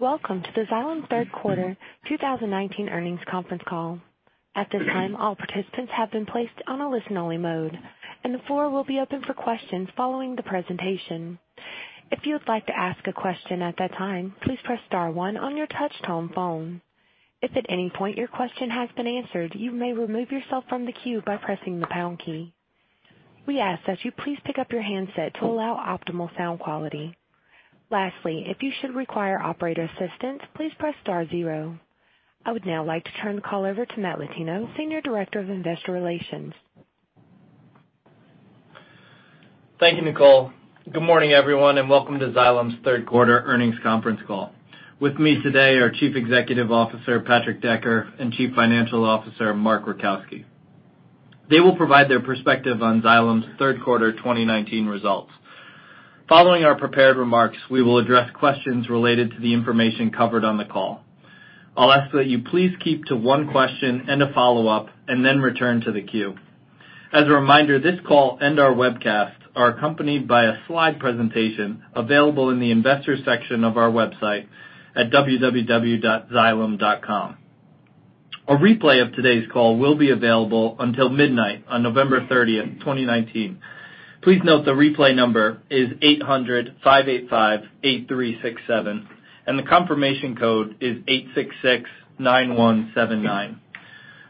Welcome to the Xylem third quarter 2019 earnings conference call. At this time, all participants have been placed on a listen only mode, and the floor will be open for questions following the presentation. If you would like to ask a question at that time, please press star one on your touchtone phone. If at any point your question has been answered, you may remove yourself from the queue by pressing the pound key. We ask that you please pick up your handset to allow optimal sound quality. Lastly, if you should require operator assistance, please press star zero. I would now like to turn the call over to Matthew Latino, Senior Director of Investor Relations. Thank you, Nicole. Good morning, everyone, and welcome to Xylem's third quarter earnings conference call. With me today are Chief Executive Officer, Patrick Decker, and Chief Financial Officer, Mark Rajkowski. They will provide their perspective on Xylem's third quarter 2019 results. Following our prepared remarks, we will address questions related to the information covered on the call. I'll ask that you please keep to one question and a follow-up, and then return to the queue. As a reminder, this call and our webcast are accompanied by a slide presentation available in the investors section of our website at www.xylem.com. A replay of today's call will be available until midnight on November 30th, 2019. Please note the replay number is 800-585-8367, and the confirmation code is 8669179.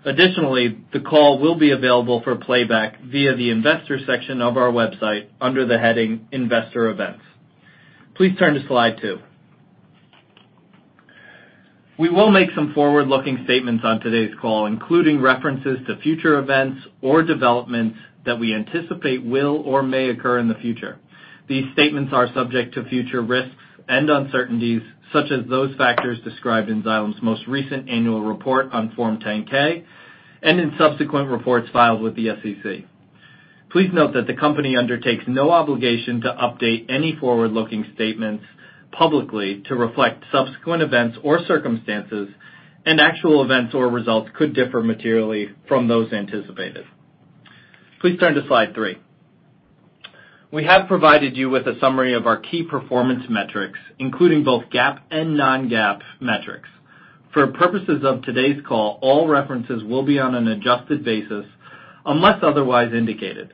Additionally, the call will be available for playback via the investors section of our website under the heading Investor Events. Please turn to slide two. We will make some forward-looking statements on today's call, including references to future events or developments that we anticipate will or may occur in the future. These statements are subject to future risks and uncertainties, such as those factors described in Xylem's most recent annual report on Form 10-K and in subsequent reports filed with the SEC. Please note that the company undertakes no obligation to update any forward-looking statements publicly to reflect subsequent events or circumstances, and actual events or results could differ materially from those anticipated. Please turn to slide three. We have provided you with a summary of our key performance metrics, including both GAAP and non-GAAP metrics. For purposes of today's call, all references will be on an adjusted basis unless otherwise indicated,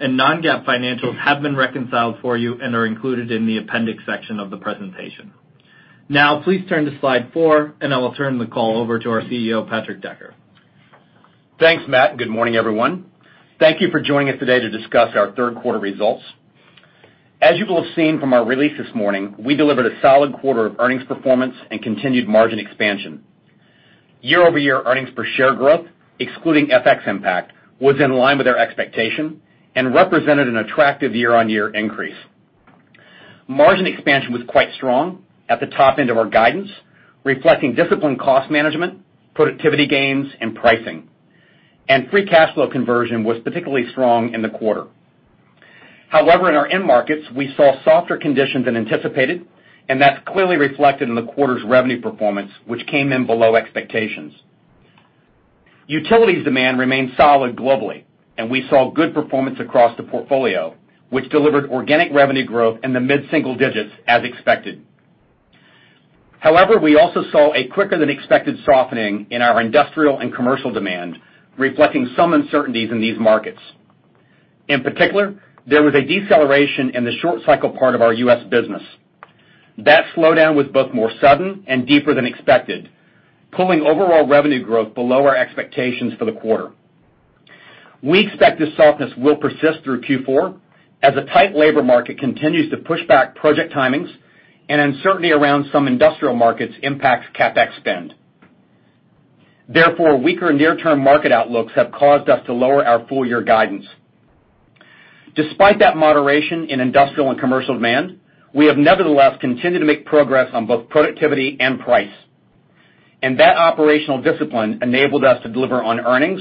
and non-GAAP financials have been reconciled for you and are included in the appendix section of the presentation. Now, please turn to slide four, and I will turn the call over to our CEO, Patrick Decker. Thanks, Matt. Good morning, everyone. Thank you for joining us today to discuss our third quarter results. As you will have seen from our release this morning, we delivered a solid quarter of earnings performance and continued margin expansion. Year-over-year earnings per share growth, excluding FX impact, was in line with our expectation and represented an attractive year-on-year increase. Margin expansion was quite strong at the top end of our guidance, reflecting disciplined cost management, productivity gains, and pricing. Free cash flow conversion was particularly strong in the quarter. In our end markets, we saw softer conditions than anticipated, and that's clearly reflected in the quarter's revenue performance, which came in below expectations. Utilities demand remained solid globally. We saw good performance across the portfolio, which delivered organic revenue growth in the mid-single digits as expected. We also saw a quicker than expected softening in our industrial and commercial demand, reflecting some uncertainties in these markets. In particular, there was a deceleration in the short cycle part of our U.S. business. That slowdown was both more sudden and deeper than expected, pulling overall revenue growth below our expectations for the quarter. We expect this softness will persist through Q4 as a tight labor market continues to push back project timings, and uncertainty around some industrial markets impacts CapEx spend. Weaker near-term market outlooks have caused us to lower our full year guidance. Despite that moderation in industrial and commercial demand, we have nevertheless continued to make progress on both productivity and price, and that operational discipline enabled us to deliver on earnings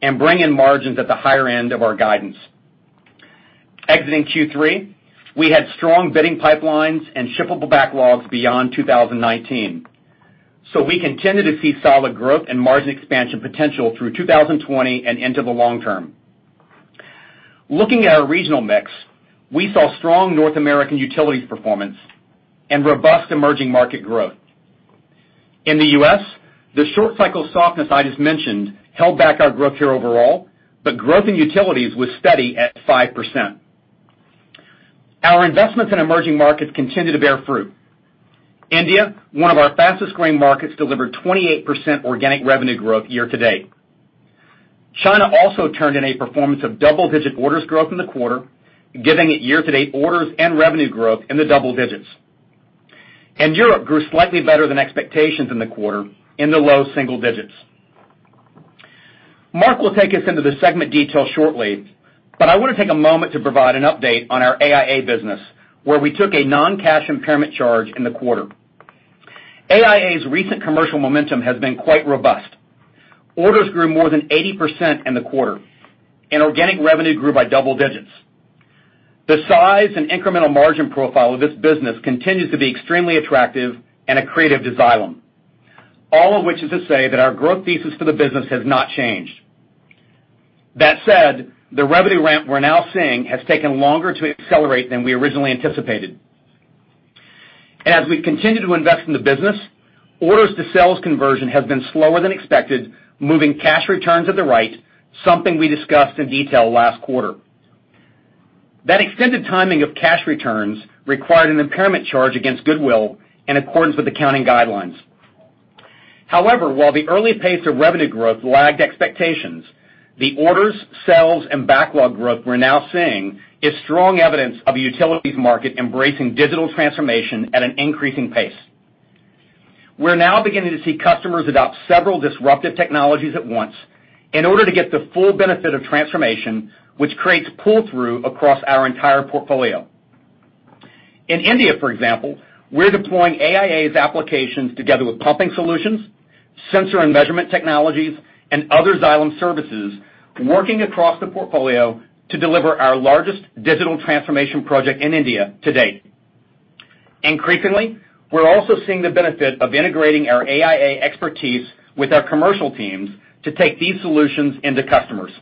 and bring in margins at the higher end of our guidance. Exiting Q3, we had strong bidding pipelines and shippable backlogs beyond 2019. We continue to see solid growth and margin expansion potential through 2020 and into the long term. Looking at our regional mix, we saw strong North American utilities performance and robust emerging market growth. In the U.S., the short cycle softness I just mentioned held back our growth here overall, growth in utilities was steady at 5%. Our investments in emerging markets continue to bear fruit. India, one of our fastest growing markets, delivered 28% organic revenue growth year to date. China also turned in a performance of double-digit orders growth in the quarter, giving it year to date orders and revenue growth in the double digits. Europe grew slightly better than expectations in the quarter in the low single digits. Mark Rajkowski will take us into the segment detail shortly, but I want to take a moment to provide an update on our AIA business, where we took a non-cash impairment charge in the quarter. AIA's recent commercial momentum has been quite robust. Orders grew more than 80% in the quarter, and organic revenue grew by double digits. The size and incremental margin profile of this business continues to be extremely attractive and accretive to Xylem. All of which is to say that our growth thesis for the business has not changed. That said, the revenue ramp we're now seeing has taken longer to accelerate than we originally anticipated. As we continue to invest in the business, orders to sales conversion has been slower than expected, moving cash returns to the right, something we discussed in detail last quarter. That extended timing of cash returns required an impairment charge against goodwill in accordance with accounting guidelines. While the early pace of revenue growth lagged expectations, the orders, sales, and backlog growth we're now seeing is strong evidence of a utilities market embracing digital transformation at an increasing pace. We're now beginning to see customers adopt several disruptive technologies at once in order to get the full benefit of transformation, which creates pull-through across our entire portfolio. In India, for example, we're deploying AIA's applications together with pumping solutions, sensor and measurement technologies, and other Xylem services, working across the portfolio to deliver our largest digital transformation project in India to date. Increasingly, we're also seeing the benefit of integrating our AIA expertise with our commercial teams to take these solutions into customers.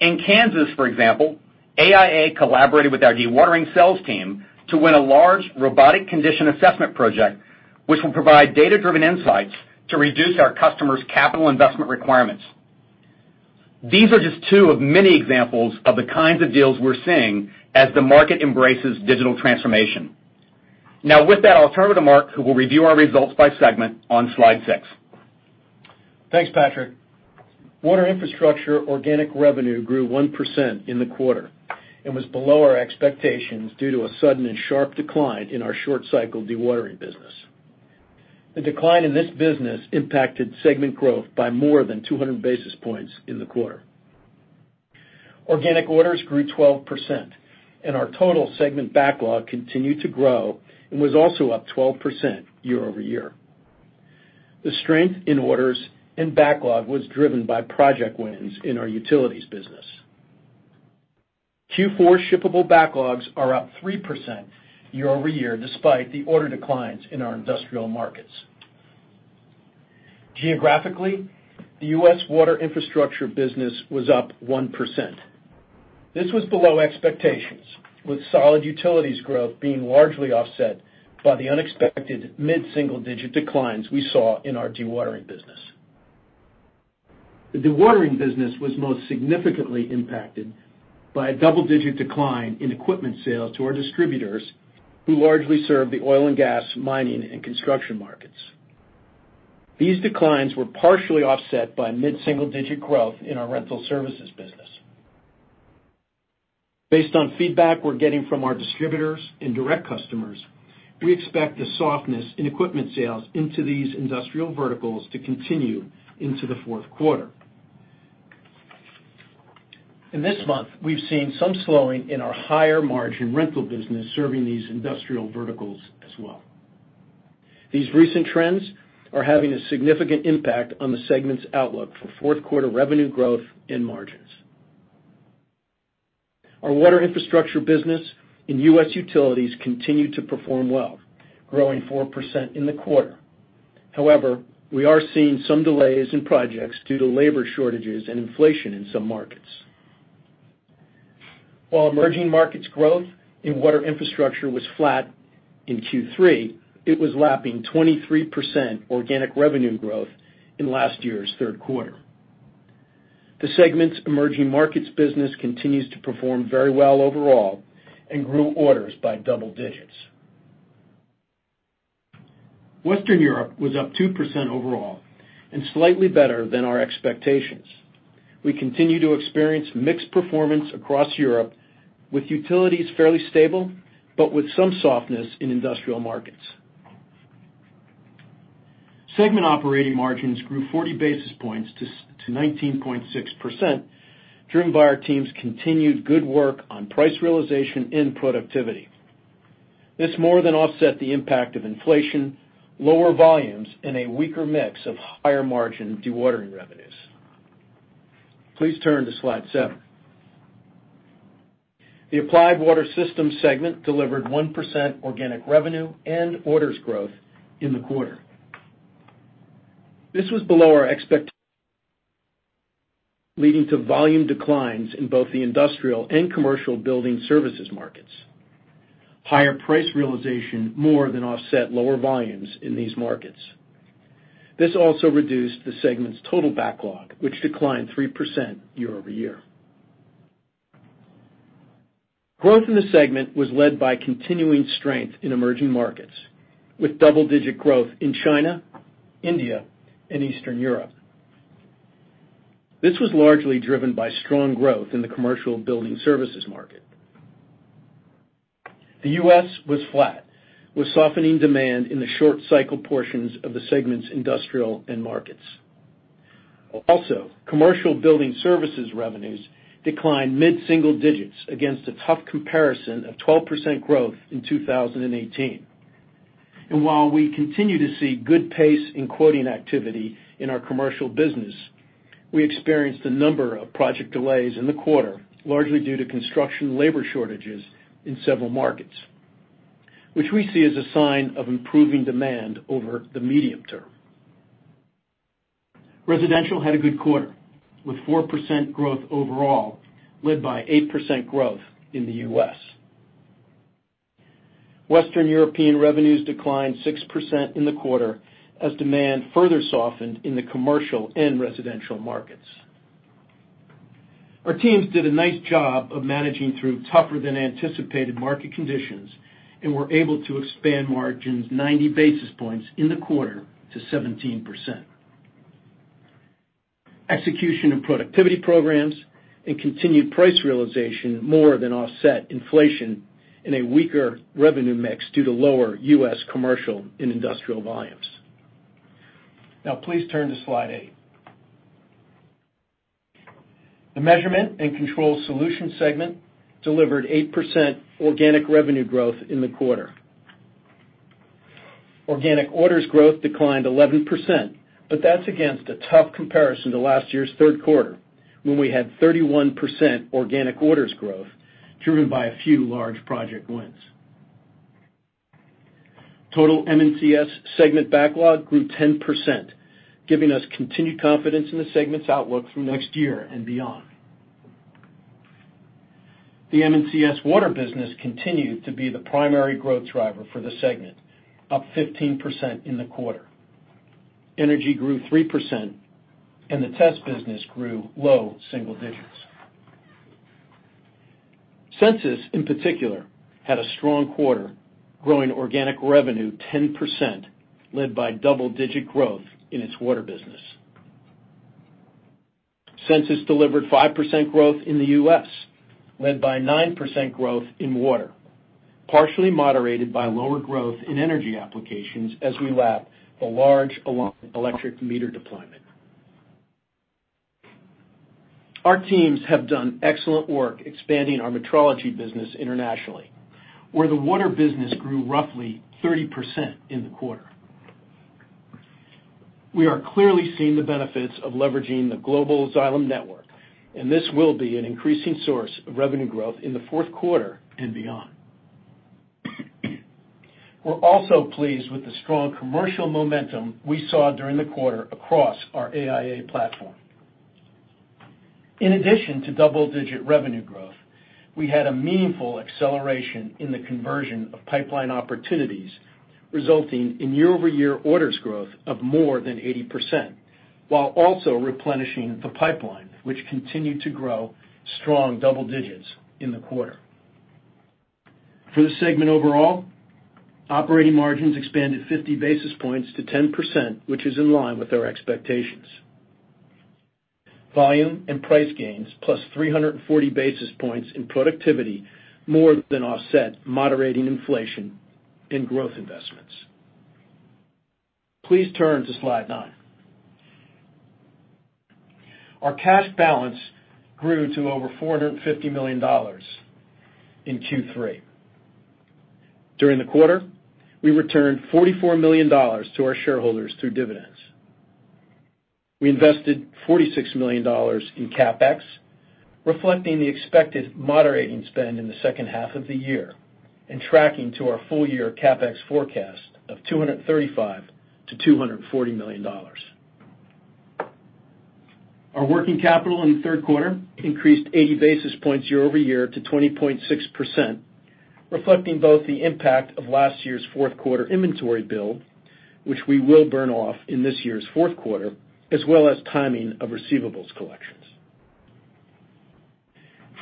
In Kansas, for example, AIA collaborated with our dewatering sales team to win a large robotic condition assessment project, which will provide data-driven insights to reduce our customers' capital investment requirements. These are just two of many examples of the kinds of deals we're seeing as the market embraces digital transformation. With that, I'll turn it to Mark, who will review our results by segment on slide six. Thanks, Patrick. Water Infrastructure organic revenue grew 1% in the quarter and was below our expectations due to a sudden and sharp decline in our short-cycle dewatering business. The decline in this business impacted segment growth by more than 200 basis points in the quarter. Organic orders grew 12%, and our total segment backlog continued to grow and was also up 12% year-over-year. The strength in orders and backlog was driven by project wins in our utilities business. Q4 shippable backlogs are up 3% year-over-year, despite the order declines in our industrial markets. Geographically, the U.S. Water Infrastructure business was up 1%. This was below expectations, with solid utilities growth being largely offset by the unexpected mid-single-digit declines we saw in our dewatering business. The dewatering business was most significantly impacted by a double-digit decline in equipment sales to our distributors, who largely serve the oil and gas, mining, and construction markets. These declines were partially offset by mid-single-digit growth in our rental services business. Based on feedback we're getting from our distributors and direct customers, we expect the softness in equipment sales into these industrial verticals to continue into the fourth quarter. In this month, we've seen some slowing in our higher-margin rental business serving these industrial verticals as well. These recent trends are having a significant impact on the segment's outlook for fourth quarter revenue growth and margins. Our Water Infrastructure business in U.S. utilities continued to perform well, growing 4% in the quarter. We are seeing some delays in projects due to labor shortages and inflation in some markets. While emerging markets growth in Water Infrastructure was flat in Q3, it was lapping 23% organic revenue growth in last year's third quarter. The segment's emerging markets business continues to perform very well overall and grew orders by double digits. Western Europe was up 2% overall and slightly better than our expectations. We continue to experience mixed performance across Europe, with utilities fairly stable but with some softness in industrial markets. Segment operating margins grew 40 basis points to 19.6%, driven by our team's continued good work on price realization and productivity. This more than offset the impact of inflation, lower volumes, and a weaker mix of higher-margin dewatering revenues. Please turn to slide seven. The Applied Water Systems segment delivered 1% organic revenue and orders growth in the quarter. This was below our expect-- leading to volume declines in both the industrial and commercial building services markets. Higher price realization more than offset lower volumes in these markets. This also reduced the segment's total backlog, which declined 3% year-over-year. Growth in the segment was led by continuing strength in emerging markets, with double-digit growth in China, India, and Eastern Europe. This was largely driven by strong growth in the commercial building services market. The U.S. was flat, with softening demand in the short-cycle portions of the segment's industrial end markets. Commercial building services revenues declined mid-single digits against a tough comparison of 12% growth in 2018. While we continue to see good pace in quoting activity in our commercial business, we experienced a number of project delays in the quarter, largely due to construction labor shortages in several markets. Which we see as a sign of improving demand over the medium term. Residential had a good quarter, with 4% growth overall, led by 8% growth in the U.S. Western European revenues declined 6% in the quarter as demand further softened in the commercial and residential markets. Our teams did a nice job of managing through tougher than anticipated market conditions, and were able to expand margins 90 basis points in the quarter to 17%. Execution of productivity programs and continued price realization more than offset inflation in a weaker revenue mix due to lower U.S. commercial and industrial volumes. Please turn to slide eight. The Measurement & Control Solutions segment delivered 8% organic revenue growth in the quarter. Organic orders growth declined 11%, that's against a tough comparison to last year's third quarter, when we had 31% organic orders growth, driven by a few large project wins. Total M&CS segment backlog grew 10%, giving us continued confidence in the segment's outlook for next year and beyond. The M&CS water business continued to be the primary growth driver for the segment, up 15% in the quarter. Energy grew 3%, and the test business grew low single digits. Sensus, in particular, had a strong quarter, growing organic revenue 10%, led by double-digit growth in its water business. Sensus delivered 5% growth in the U.S., led by 9% growth in water, partially moderated by lower growth in energy applications as we lap the large electric meter deployment. Our teams have done excellent work expanding our metrology business internationally, where the water business grew roughly 30% in the quarter. We are clearly seeing the benefits of leveraging the global Xylem network, and this will be an increasing source of revenue growth in the fourth quarter and beyond. We're also pleased with the strong commercial momentum we saw during the quarter across our AIA platform. In addition to double-digit revenue growth, we had a meaningful acceleration in the conversion of pipeline opportunities, resulting in year-over-year orders growth of more than 80%, while also replenishing the pipeline, which continued to grow strong double digits in the quarter. For the segment overall, operating margins expanded 50 basis points to 10%, which is in line with our expectations. Volume and price gains, plus 340 basis points in productivity more than offset moderating inflation in growth investments. Please turn to slide nine. Our cash balance grew to over $450 million in Q3. During the quarter, we returned $44 million to our shareholders through dividends. We invested $46 million in CapEx, reflecting the expected moderating spend in the second half of the year and tracking to our full-year CapEx forecast of $235 million-$240 million. Our working capital in the third quarter increased 80 basis points year-over-year to 20.6%, reflecting both the impact of last year's fourth quarter inventory build, which we will burn off in this year's fourth quarter, as well as timing of receivables collections.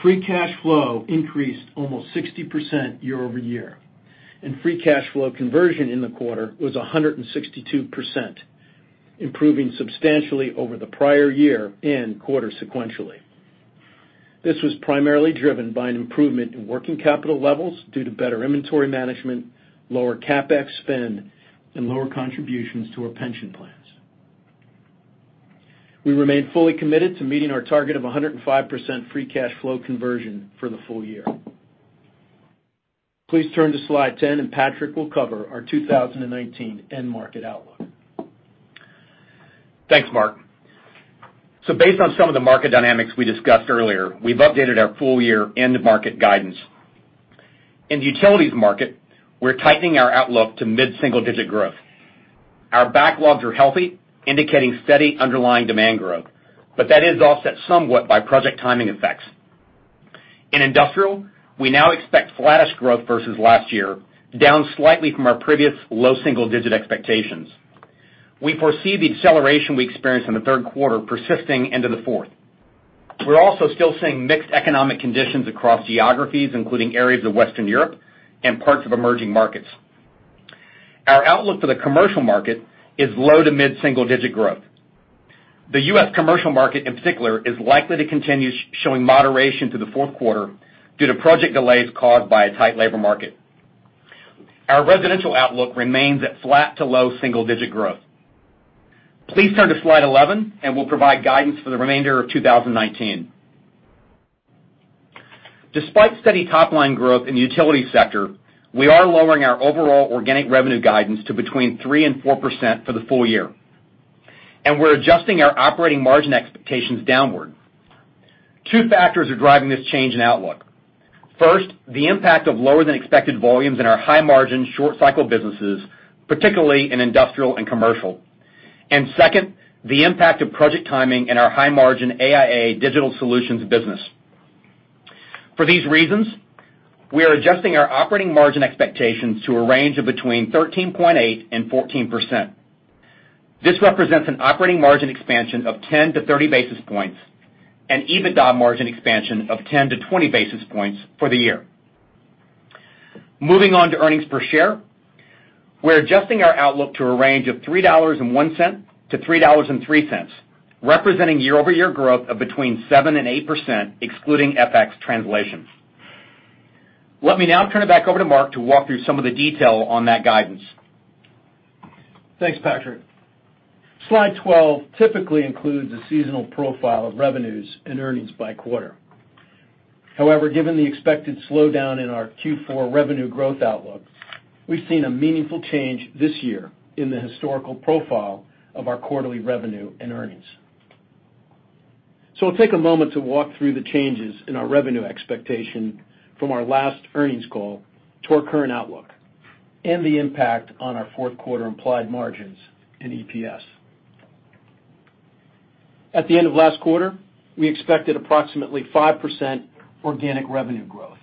Free cash flow increased almost 60% year-over-year, and free cash flow conversion in the quarter was 162%, improving substantially over the prior year and quarter sequentially. This was primarily driven by an improvement in working capital levels due to better inventory management, lower CapEx spend, and lower contributions to our pension plans. We remain fully committed to meeting our target of 105% free cash flow conversion for the full year. Please turn to slide 10, and Patrick will cover our 2019 end market outlook. Thanks, Mark. Based on some of the market dynamics we discussed earlier, we've updated our full-year end market guidance. In the utilities market, we're tightening our outlook to mid-single-digit growth. Our backlogs are healthy, indicating steady underlying demand growth. That is offset somewhat by project timing effects. In industrial, we now expect flattish growth versus last year, down slightly from our previous low single-digit expectations. We foresee the deceleration we experienced in the third quarter persisting into the fourth. We're also still seeing mixed economic conditions across geographies, including areas of Western Europe and parts of emerging markets. Our outlook for the commercial market is low to mid single-digit growth. The U.S. commercial market, in particular, is likely to continue showing moderation to the fourth quarter due to project delays caused by a tight labor market. Our residential outlook remains at flat to low single-digit growth. Please turn to slide 11, and we'll provide guidance for the remainder of 2019. Despite steady top-line growth in the utility sector, we are lowering our overall organic revenue guidance to between 3% and 4% for the full year. We're adjusting our operating margin expectations downward. Two factors are driving this change in outlook. First, the impact of lower than expected volumes in our high margin, short cycle businesses, particularly in industrial and commercial. Second, the impact of project timing in our high margin AIA digital solutions business. For these reasons, we are adjusting our operating margin expectations to a range of between 13.8 and 14%. This represents an operating margin expansion of 10-30 basis points and EBITDA margin expansion of 10-20 basis points for the year. Moving on to earnings per share. We're adjusting our outlook to a range of $3.01-$3.03, representing year-over-year growth of between 7% and 8%, excluding FX translations. Let me now turn it back over to Mark to walk through some of the detail on that guidance. Thanks, Patrick. Slide 12 typically includes a seasonal profile of revenues and earnings by quarter. Given the expected slowdown in our Q4 revenue growth outlook, we've seen a meaningful change this year in the historical profile of our quarterly revenue and earnings. I'll take a moment to walk through the changes in our revenue expectation from our last earnings call to our current outlook and the impact on our fourth quarter implied margins and EPS. At the end of last quarter, we expected approximately 5% organic revenue growth,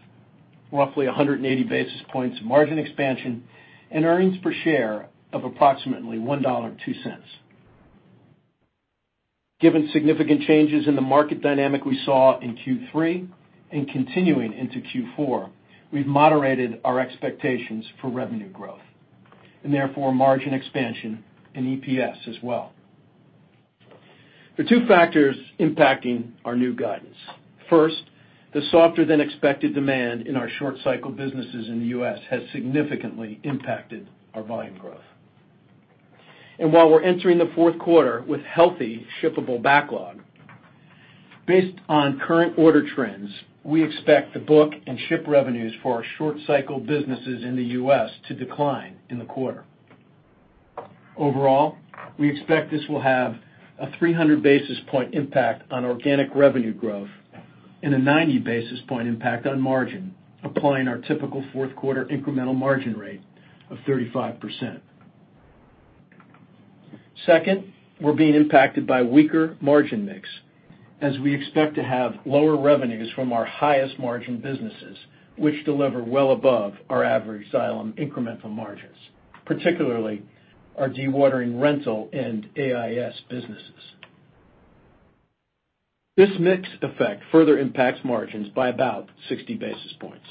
roughly 180 basis points margin expansion, and earnings per share of approximately $1.02. Given significant changes in the market dynamic we saw in Q3 and continuing into Q4, we've moderated our expectations for revenue growth, and therefore margin expansion and EPS as well. There are two factors impacting our new guidance. The softer than expected demand in our short cycle businesses in the U.S. has significantly impacted our volume growth. While we're entering the fourth quarter with healthy shippable backlog, based on current order trends, we expect to book and ship revenues for our short cycle businesses in the U.S. to decline in the quarter. Overall, we expect this will have a 300 basis point impact on organic revenue growth and a 90 basis point impact on margin, applying our typical fourth quarter incremental margin rate of 35%. We're being impacted by weaker margin mix as we expect to have lower revenues from our highest margin businesses, which deliver well above our average Xylem incremental margins, particularly our dewatering rental and AIS businesses. This mix effect further impacts margins by about 60 basis points.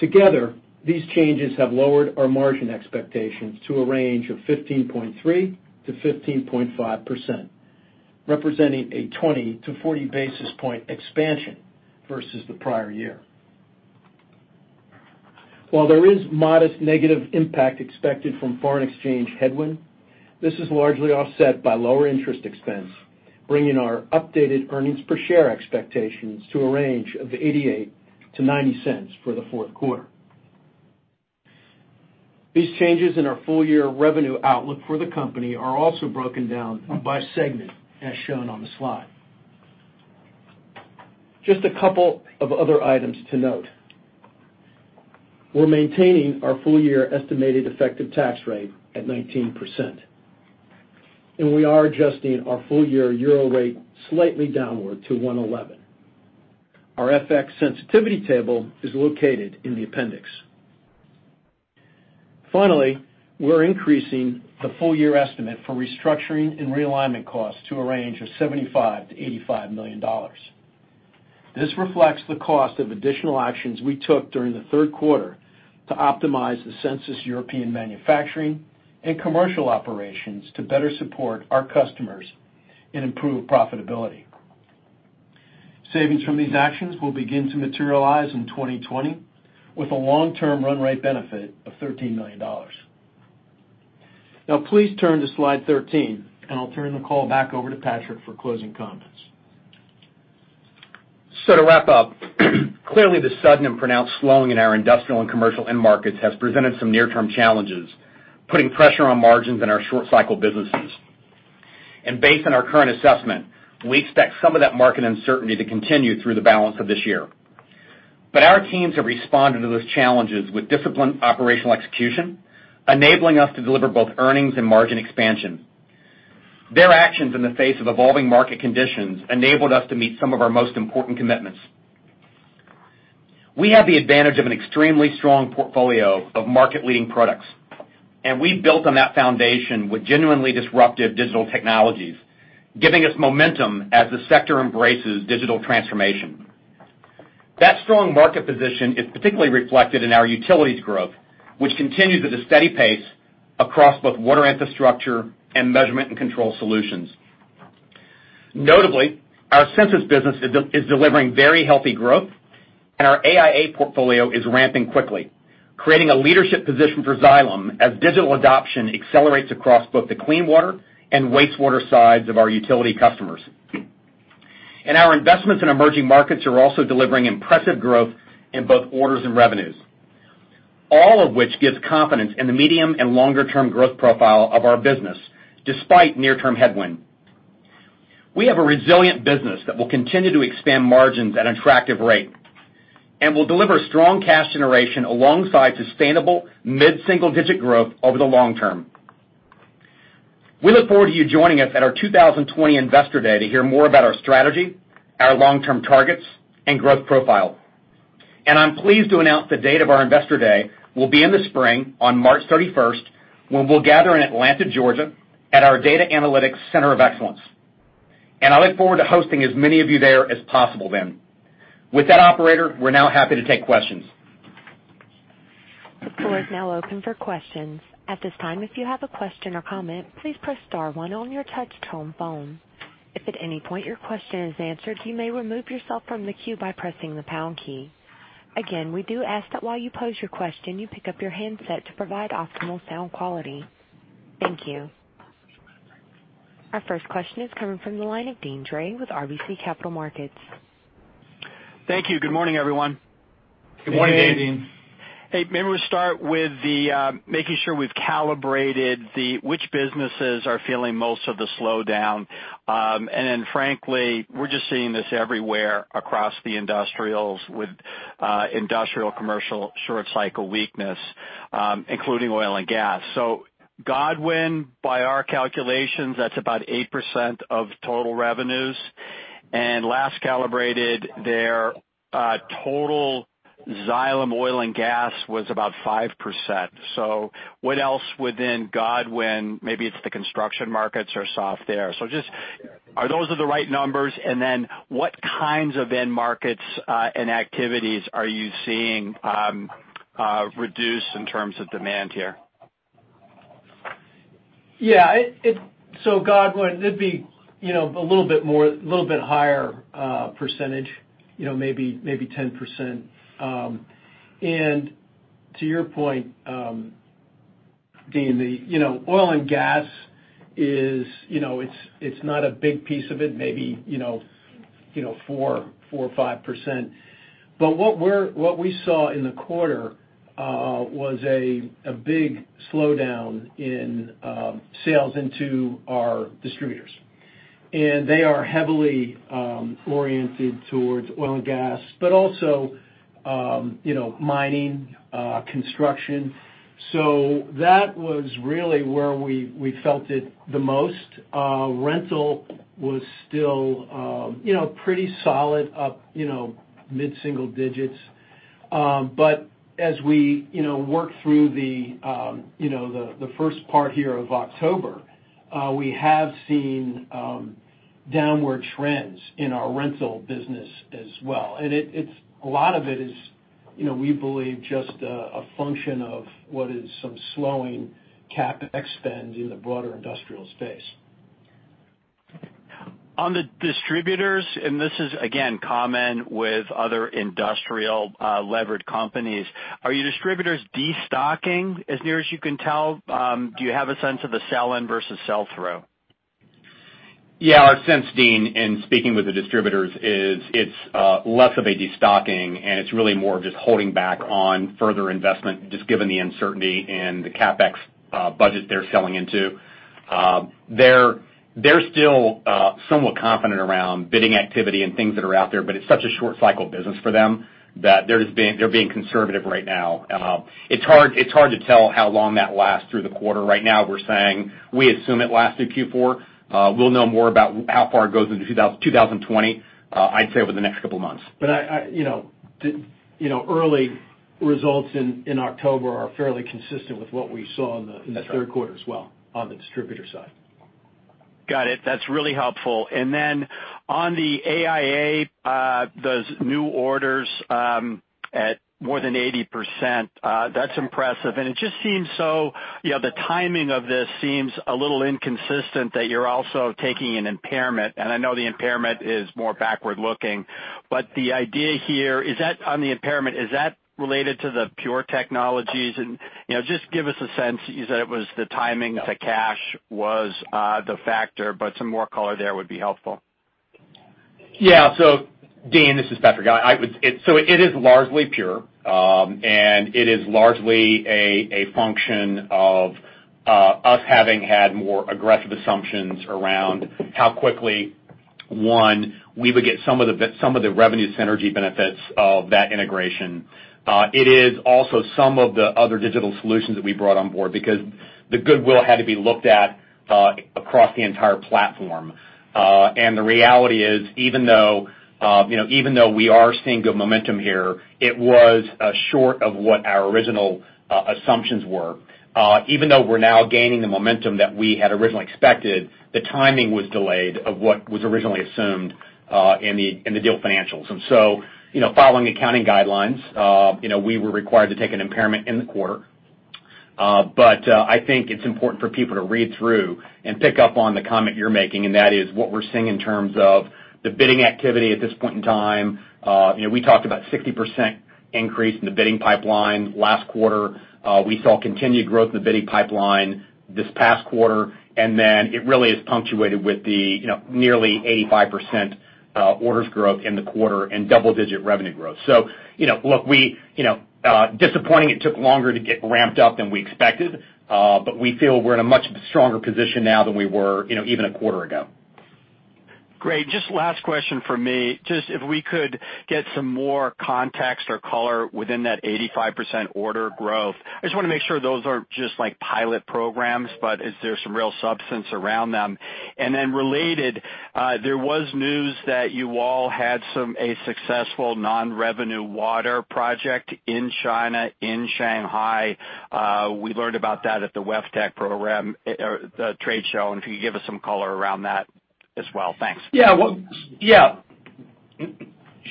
Together, these changes have lowered our margin expectations to a range of 15.3%-15.5%, representing a 20 to 40 basis point expansion versus the prior year. While there is modest negative impact expected from foreign exchange headwind, this is largely offset by lower interest expense, bringing our updated earnings per share expectations to a range of $0.88-$0.90 for the fourth quarter. These changes in our full year revenue outlook for the company are also broken down by segment as shown on the slide. Just a couple of other items to note. We're maintaining our full year estimated effective tax rate at 19%, and we are adjusting our full year EUR rate slightly downward to 111. Our FX sensitivity table is located in the appendix. Finally, we're increasing the full year estimate for restructuring and realignment costs to a range of $75 million-$85 million. This reflects the cost of additional actions we took during the third quarter to optimize the Sensus European manufacturing and commercial operations to better support our customers and improve profitability. Savings from these actions will begin to materialize in 2020 with a long-term run rate benefit of $13 million. Now please turn to slide 13, and I'll turn the call back over to Patrick for closing comments. To wrap up, clearly the sudden and pronounced slowing in our industrial and commercial end markets has presented some near term challenges, putting pressure on margins in our short cycle businesses. Based on our current assessment, we expect some of that market uncertainty to continue through the balance of this year. Our teams have responded to those challenges with disciplined operational execution, enabling us to deliver both earnings and margin expansion. Their actions in the face of evolving market conditions enabled us to meet some of our most important commitments. We have the advantage of an extremely strong portfolio of market leading products, and we've built on that foundation with genuinely disruptive digital technologies, giving us momentum as the sector embraces digital transformation. That strong market position is particularly reflected in our utilities growth, which continues at a steady pace across both Water Infrastructure and Measurement & Control Solutions. Notably, our Sensus business is delivering very healthy growth, and our AIA portfolio is ramping quickly, creating a leadership position for Xylem as digital adoption accelerates across both the clean water and wastewater sides of our utility customers. Our investments in emerging markets are also delivering impressive growth in both orders and revenues. All of which gives confidence in the medium and longer term growth profile of our business, despite near-term headwind. We have a resilient business that will continue to expand margins at a attractive rate and will deliver strong cash generation alongside sustainable mid-single-digit growth over the long term. We look forward to you joining us at our 2020 Investor Day to hear more about our strategy, our long-term targets and growth profile. I'm pleased to announce the date of our Investor Day will be in the spring, on March 31st, when we'll gather in Atlanta, Georgia, at our Data Analytics Center of Excellence. I look forward to hosting as many of you there as possible then. With that, operator, we're now happy to take questions. The floor is now open for questions. At this time, if you have a question or comment, please press star one on your touchtone phone. If at any point your question is answered, you may remove yourself from the queue by pressing the pound key. Again, we do ask that while you pose your question, you pick up your handset to provide optimal sound quality. Thank you. Our first question is coming from the line of Deane Dray with RBC Capital Markets. Thank you. Good morning, everyone. Good morning, Deane. Good morning, Deane. Hey, maybe we start with the making sure we've calibrated which businesses are feeling most of the slowdown. Then frankly, we're just seeing this everywhere across the industrials with industrial commercial short cycle weakness, including oil and gas. Godwin, by our calculations, that's about 8% of total revenues. Last calibrated, their total Xylem oil and gas was about 5%. What else within Godwin? Maybe it's the construction markets are soft there. Just are those are the right numbers, and then what kinds of end markets and activities are you seeing reduce in terms of demand here? Godwin, it'd be a little bit higher percentage, maybe 10%. To your point, Deane, the oil and gas is not a big piece of it. Maybe 4% or 5%. What we saw in the quarter was a big slowdown in sales into our distributors. They are heavily oriented towards oil and gas, but also mining, construction. That was really where we felt it the most. Rental was still pretty solid, up mid-single digits. As we work through the first part here of October, we have seen downward trends in our rental business as well. A lot of it is, we believe, just a function of what is some slowing CapEx spend in the broader industrial space. On the distributors, this is, again, common with other industrial levered companies. Are your distributors de-stocking as near as you can tell? Do you have a sense of the sell-in versus sell-through? Yeah. Our sense, Deane, in speaking with the distributors is it's less of a de-stocking and it's really more of just holding back on further investment, just given the uncertainty in the CapEx budget they're selling into. They're still somewhat confident around bidding activity and things that are out there, but it's such a short cycle business for them that they're being conservative right now. It's hard to tell how long that lasts through the quarter. Right now we're saying we assume it lasts through Q4. We'll know more about how far it goes into 2020, I'd say over the next couple of months. Early results in October are fairly consistent with what we saw in the third quarter as well on the distributor side. Got it. That's really helpful. On the AIA, those new orders at more than 80%, that's impressive. It just seems the timing of this seems a little inconsistent that you're also taking an impairment. I know the impairment is more backward-looking, but the idea here, on the impairment, is that related to the Pure Technologies? Just give us a sense. You said it was the timing to cash was the factor, but some more color there would be helpful. Yeah. Deane, this is Patrick. It is largely Pure. It is largely a function of us having had more aggressive assumptions around how quickly, one, we would get some of the revenue synergy benefits of that integration. It is also some of the other digital solutions that we brought on board because the goodwill had to be looked at across the entire platform. The reality is, even though we are seeing good momentum here, it was short of what our original assumptions were. Even though we're now gaining the momentum that we had originally expected, the timing was delayed of what was originally assumed in the deal financials. Following accounting guidelines we were required to take an impairment in the quarter. I think it's important for people to read through and pick up on the comment you're making, and that is what we're seeing in terms of the bidding activity at this point in time. We talked about 60% increase in the bidding pipeline last quarter. We saw continued growth in the bidding pipeline this past quarter. It really is punctuated with the nearly 85% orders growth in the quarter and double-digit revenue growth. Look, disappointing it took longer to get ramped up than we expected, but we feel we're in a much stronger position now than we were even a quarter ago. Great. Just last question from me. Just if we could get some more context or color within that 85% order growth. I just want to make sure those aren't just pilot programs, but is there some real substance around them? Then related, there was news that you all had a successful non-revenue water project in China, in Shanghai. We learned about that at the WEFTEC trade show, and if you could give us some color around that as well. Thanks. Yeah.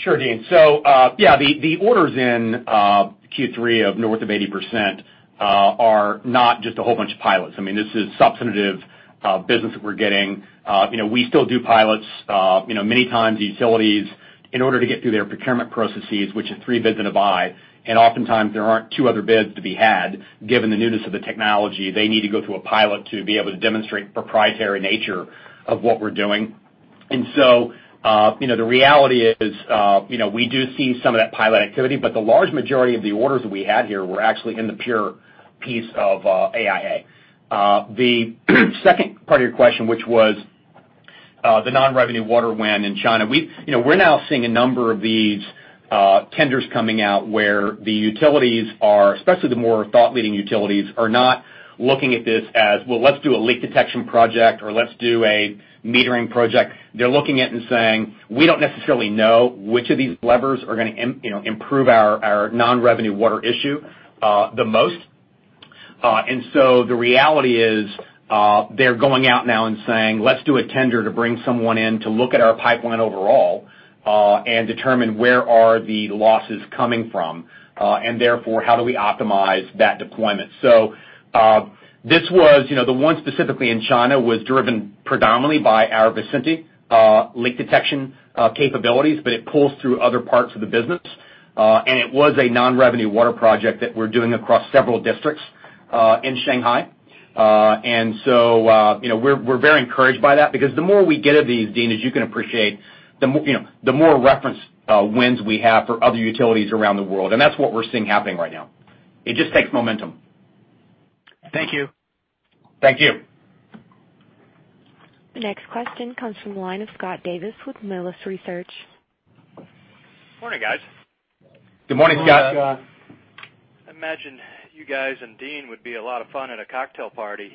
Sure, Deane. The orders in Q3 of north of 80% are not just a whole bunch of pilots. This is substantive business that we're getting. We still do pilots. Many times, the utilities, in order to get through their procurement processes, which is three bids and a buy, and oftentimes there aren't two other bids to be had, given the newness of the technology, they need to go through a pilot to be able to demonstrate proprietary nature of what we're doing. The reality is we do see some of that pilot activity, but the large majority of the orders that we had here were actually in the pure piece of AIA. The second part of your question, which was the non-revenue water win in China. We're now seeing a number of these tenders coming out where the utilities are, especially the more thought-leading utilities, are not looking at this as, "Well, let's do a leak detection project" or "Let's do a metering project." They're looking at it and saying, "We don't necessarily know which of these levers are going to improve our non-revenue water issue the most." The reality is, they're going out now and saying, "Let's do a tender to bring someone in to look at our pipeline overall, and determine where are the losses coming from, and therefore, how do we optimize that deployment?" The one specifically in China was driven predominantly by our Visenti leak detection capabilities, but it pulls through other parts of the business. It was a non-revenue water project that we're doing across several districts in Shanghai. We're very encouraged by that because the more we get of these, Deane, as you can appreciate, the more reference wins we have for other utilities around the world. That's what we're seeing happening right now. It just takes momentum. Thank you. Thank you. The next question comes from the line of Scott Davis with Melius Research. Morning, guys. Good morning, Scott. Good morning, Scott. I imagine you guys and Deane would be a lot of fun at a cocktail party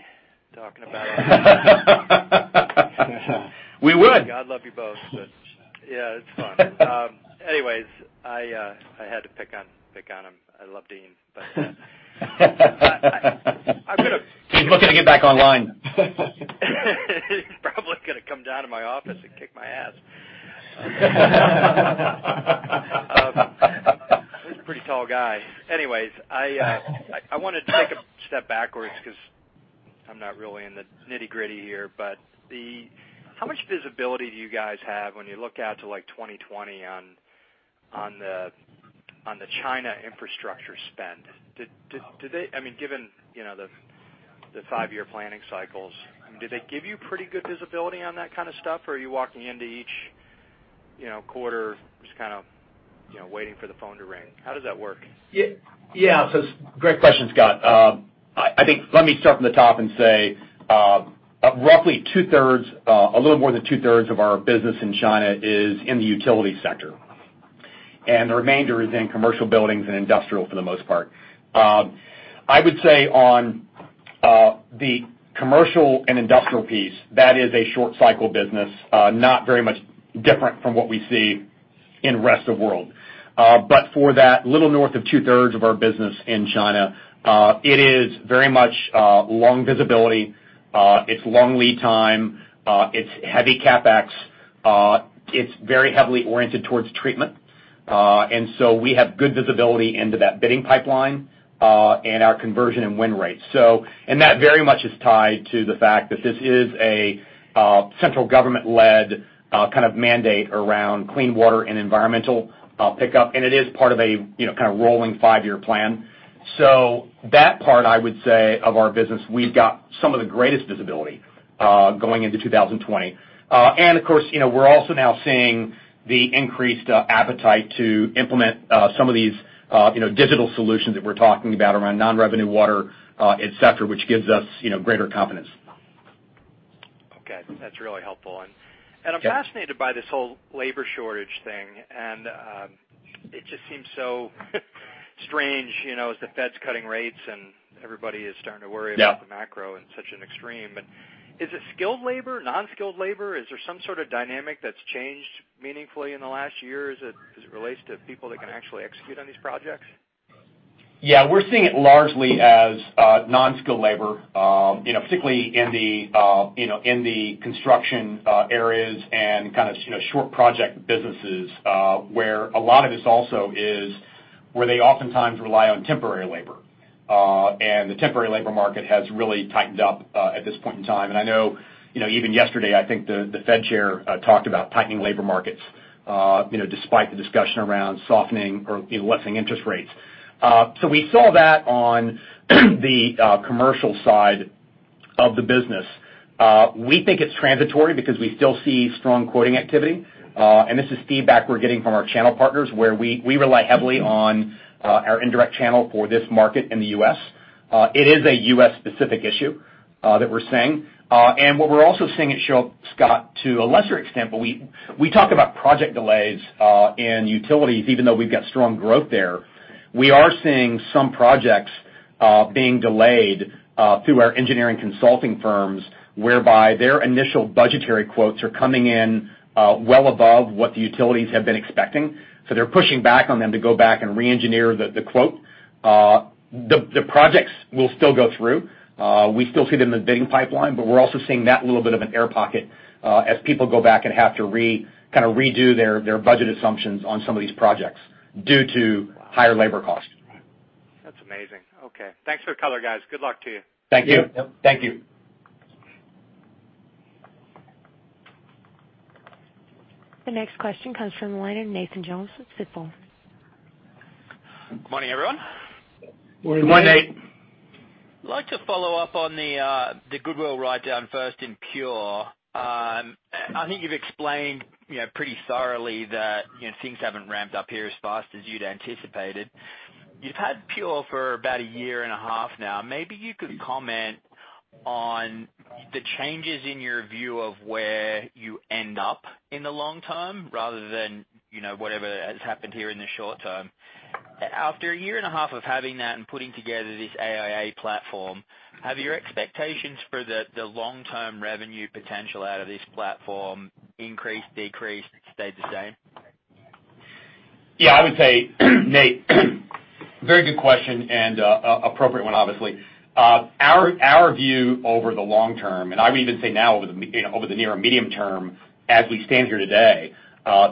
talking about. We would. God love you both, but yeah, it's fun. Anyway, I had to pick on him. I love Deane, but. He's looking to get back online. He's probably gonna come down to my office and kick my ass. He's a pretty tall guy. Anyways, I wanted to take a step backwards because I'm not really in the nitty-gritty here, but how much visibility do you guys have when you look out to 2020 on the China infrastructure spend? Given the five-year planning cycles, did they give you pretty good visibility on that kind of stuff, or are you walking into each quarter just waiting for the phone to ring? How does that work? It's a great question, Scott. Let me start from the top and say, roughly two-thirds, a little more than two-thirds of our business in China is in the utility sector. The remainder is in commercial buildings and industrial for the most part. I would say on the commercial and industrial piece, that is a short-cycle business, not very much different from what we see in rest of world. For that little north of two-thirds of our business in China, it is very much long visibility. It's long lead time. It's heavy CapEx. It's very heavily oriented towards treatment. We have good visibility into that bidding pipeline, and our conversion and win rates. That very much is tied to the fact that this is a central government-led mandate around clean water and environmental pickup, and it is part of a rolling five-year plan. That part, I would say, of our business, we've got some of the greatest visibility going into 2020. Of course, we're also now seeing the increased appetite to implement some of these digital solutions that we're talking about around non-revenue water, et cetera, which gives us greater confidence. Okay. That's really helpful. Yeah. I'm fascinated by this whole labor shortage thing. It just seems so strange as the Fed's cutting rates and everybody is starting to worry about. Yeah the macro in such an extreme. Is it skilled labor, non-skilled labor? Is there some sort of dynamic that's changed meaningfully in the last year as it relates to people that can actually execute on these projects? Yeah, we're seeing it largely as non-skilled labor, particularly in the construction areas and short project businesses, where a lot of this also is where they oftentimes rely on temporary labor. The temporary labor market has really tightened up at this point in time. I know, even yesterday, I think the Fed chair talked about tightening labor markets. Despite the discussion around softening or lessening interest rates. We saw that on the commercial side of the business. We think it's transitory because we still see strong quoting activity. This is feedback we're getting from our channel partners, where we rely heavily on our indirect channel for this market in the U.S. It is a U.S.-specific issue that we're seeing. What we're also seeing it show up, Scott, to a lesser extent, but we talk about project delays in utilities, even though we've got strong growth there. We are seeing some projects being delayed through our engineering consulting firms, whereby their initial budgetary quotes are coming in well above what the utilities have been expecting. They're pushing back on them to go back and re-engineer the quote. The projects will still go through. We still see them in the bidding pipeline, but we're also seeing that little bit of an air pocket, as people go back and have to redo their budget assumptions on some of these projects due to higher labor costs. Right. That's amazing. Okay. Thanks for the color, guys. Good luck to you. Thank you. Yep. Thank you. The next question comes from the line of Nathan Jones with Stifel. Good morning, everyone. Good morning, Nate. I'd like to follow up on the goodwill write-down first in Pure. I think you've explained pretty thoroughly that things haven't ramped up here as fast as you'd anticipated. You've had Pure for about a year and a half now. Maybe you could comment on the changes in your view of where you end up in the long term, rather than whatever has happened here in the short term. After a year and a half of having that and putting together this AIA platform, have your expectations for the long-term revenue potential out of this platform increased, decreased, stayed the same? Yeah, I would say, Nate, very good question and appropriate one, obviously. Our view over the long term, and I would even say now over the near or medium term, as we stand here today,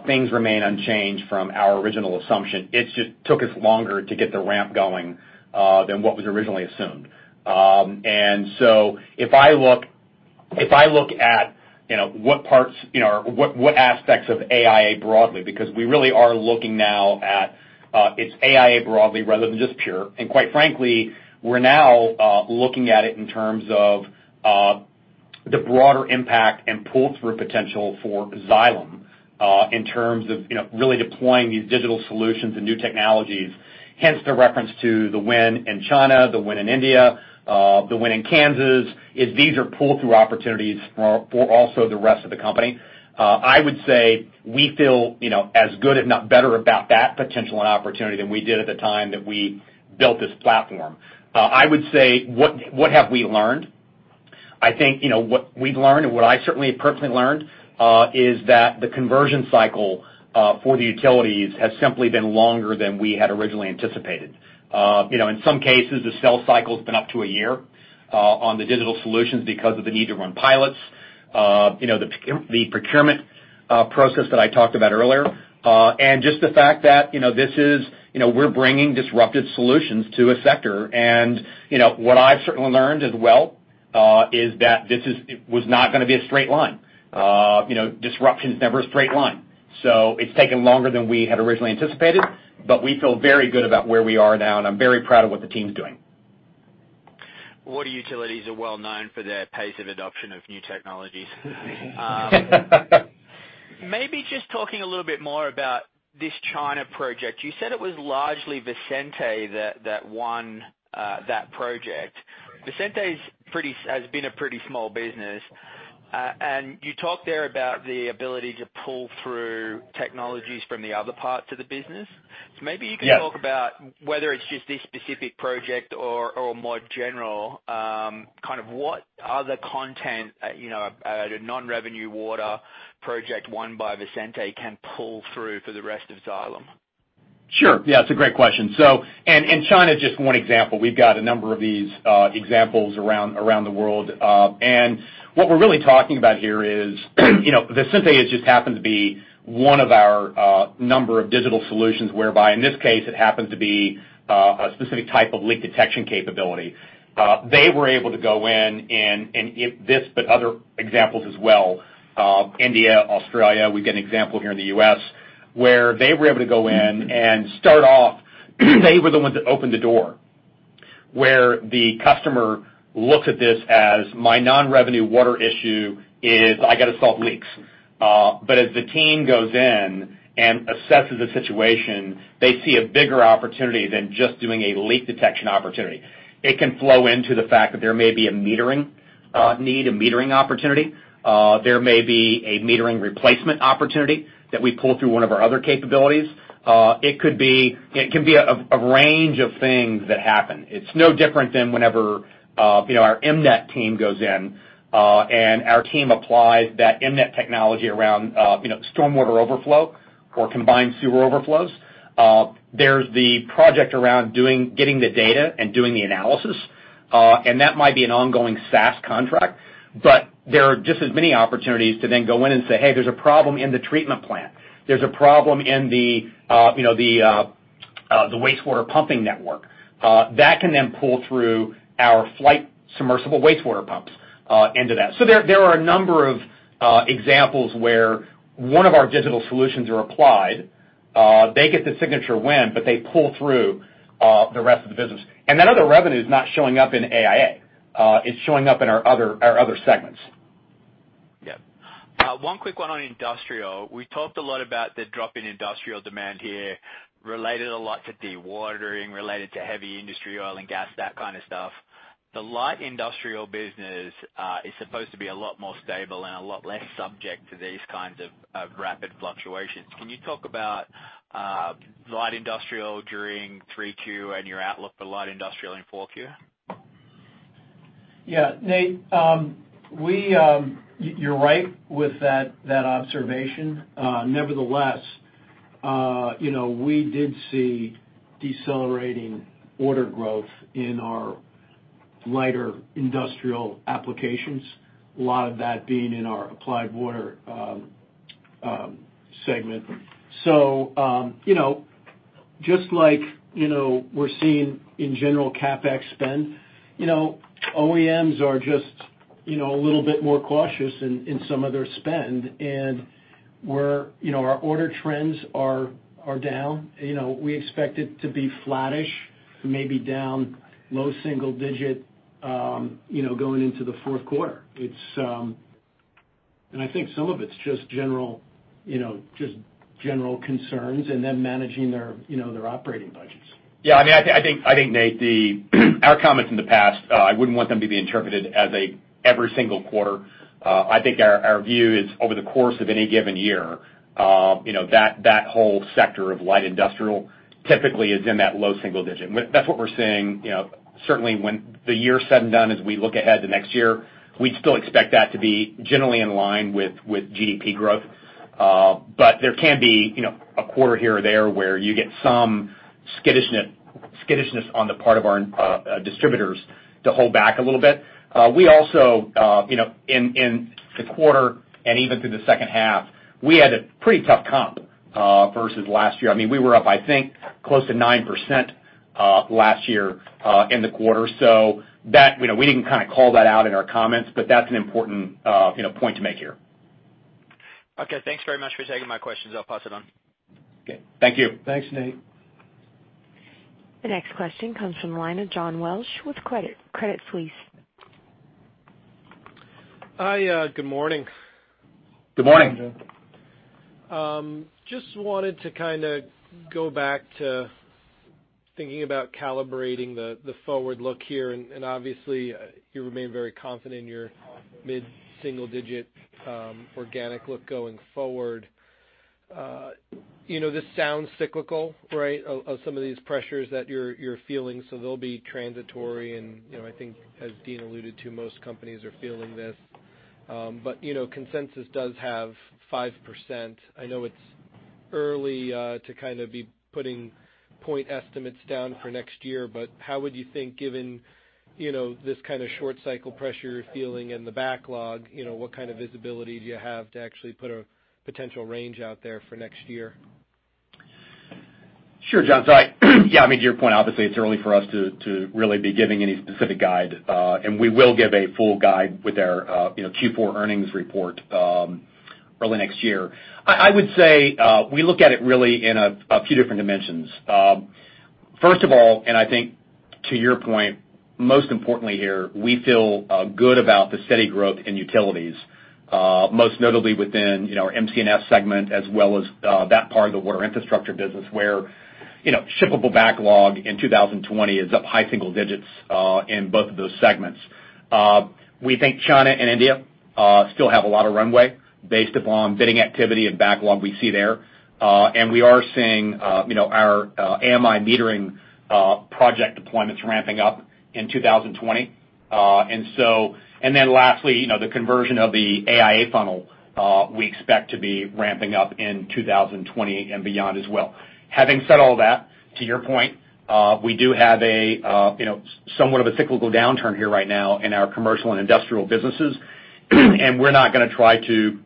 things remain unchanged from our original assumption. It just took us longer to get the ramp going than what was originally assumed. If I look at what aspects of AIA broadly, because we really are looking now at its AIA broadly rather than just Pure, and quite frankly, we're now looking at it in terms of the broader impact and pull-through potential for Xylem in terms of really deploying these digital solutions and new technologies, hence the reference to the win in China, the win in India, the win in Kansas, is these are pull-through opportunities for also the rest of the company. I would say we feel as good if not better about that potential and opportunity than we did at the time that we built this platform. I would say, what have we learned? I think what we've learned and what I certainly have personally learned, is that the conversion cycle for the utilities has simply been longer than we had originally anticipated. In some cases, the sales cycle's been up to one year on the digital solutions because of the need to run pilots. The procurement process that I talked about earlier, just the fact that we're bringing disruptive solutions to a sector. What I've certainly learned as well, is that it was not going to be a straight line. Disruption's never a straight line. It's taken longer than we had originally anticipated, but we feel very good about where we are now, and I'm very proud of what the team's doing. Water utilities are well known for their pace of adoption of new technologies. Maybe just talking a little bit more about this China project. You said it was largely Visenti that won that project. Visenti has been a pretty small business. You talked there about the ability to pull through technologies from the other parts of the business. Yeah. Maybe you can talk about whether it's just this specific project or more general, what other content at a non-revenue water project won by Visenti can pull through for the rest of Xylem? Sure. Yeah, it's a great question. China's just one example. We've got a number of these examples around the world. What we're really talking about here is Visenti has just happened to be one of our number of digital solutions whereby, in this case, it happened to be a specific type of leak detection capability. They were able to go in, but other examples as well. India, Australia, we've got an example here in the U.S., where they were able to go in and start off, they were the ones that opened the door, where the customer looks at this as my non-revenue water issue is I got to solve leaks. As the team goes in and assesses the situation, they see a bigger opportunity than just doing a leak detection opportunity. It can flow into the fact that there may be a metering need, a metering opportunity. There may be a metering replacement opportunity that we pull through one of our other capabilities. It can be a range of things that happen. It's no different than whenever our EmNet team goes in, and our team applies that EmNet technology around storm water overflow or combined sewer overflows. There's the project around getting the data and doing the analysis, and that might be an ongoing SaaS contract, but there are just as many opportunities to then go in and say, "Hey, there's a problem in the treatment plant. There's a problem in the wastewater pumping network. That can then pull through our Flygt submersible wastewater pumps into that. There are a number of examples where one of our digital solutions are applied. They get the signature win, but they pull through the rest of the business. That other revenue is not showing up in AIA. It's showing up in our other segments. Yep. One quick one on industrial. We talked a lot about the drop in industrial demand here, related a lot to de-watering, related to heavy industry, oil and gas, that kind of stuff. The light industrial business is supposed to be a lot more stable and a lot less subject to these kinds of rapid fluctuations. Can you talk about light industrial during Q3 and your outlook for light industrial in Q4? Yeah. Nate, you're right with that observation. Nevertheless, we did see decelerating order growth in our lighter industrial applications, a lot of that being in our Applied Water segment. Just like we're seeing in general CapEx spend, OEMs are just a little bit more cautious in some of their spend, and our order trends are down. We expect it to be flattish, maybe down low single digit, going into the fourth quarter. I think some of it's just general concerns and them managing their operating budgets. Yeah. I think, Nate, our comments in the past, I wouldn't want them to be interpreted as a every single quarter. I think our view is over the course of any given year, that whole sector of light industrial typically is in that low single-digit. That's what we're seeing certainly when the year's said and done, as we look ahead to next year, we'd still expect that to be generally in line with GDP growth. There can be a quarter here or there where you get some skittishness on the part of our distributors to hold back a little bit. We also, in the quarter and even through the second half, we had a pretty tough comp versus last year. We were up, I think, close to 9% last year, in the quarter. We didn't call that out in our comments, but that's an important point to make here. Okay, thanks very much for taking my questions. I'll pass it on. Okay. Thank you. Thanks, Nate. The next question comes from the line of John Walsh with Credit Suisse. Hi, good morning. Good morning. Hi, John. Just wanted to go back to thinking about calibrating the forward look here, and obviously you remain very confident in your mid-single digit organic look going forward. This sounds cyclical, right? Of some of these pressures that you're feeling, so they'll be transitory and I think as Deane alluded to, most companies are feeling this. But consensus does have 5%. I know it's early to be putting point estimates down for next year, but how would you think, given this kind of short cycle pressure you're feeling and the backlog, what kind of visibility do you have to actually put a potential range out there for next year? Sure, John. Yeah, to your point, obviously, it's early for us to really be giving any specific guide. We will give a full guide with our Q4 earnings report early next year. I would say, we look at it really in a few different dimensions. First of all, and I think to your point, most importantly here, we feel good about the steady growth in utilities. Most notably within our M&CS segment, as well as that part of the Water Infrastructure business where shippable backlog in 2020 is up high single digits, in both of those segments. We think China and India still have a lot of runway based upon bidding activity and backlog we see there. We are seeing our AMI metering project deployments ramping up in 2020. Lastly, the conversion of the AIA funnel, we expect to be ramping up in 2020 and beyond as well. Having said all that, to your point, we do have somewhat of a cyclical downturn here right now in our commercial and industrial businesses. We're not going to try to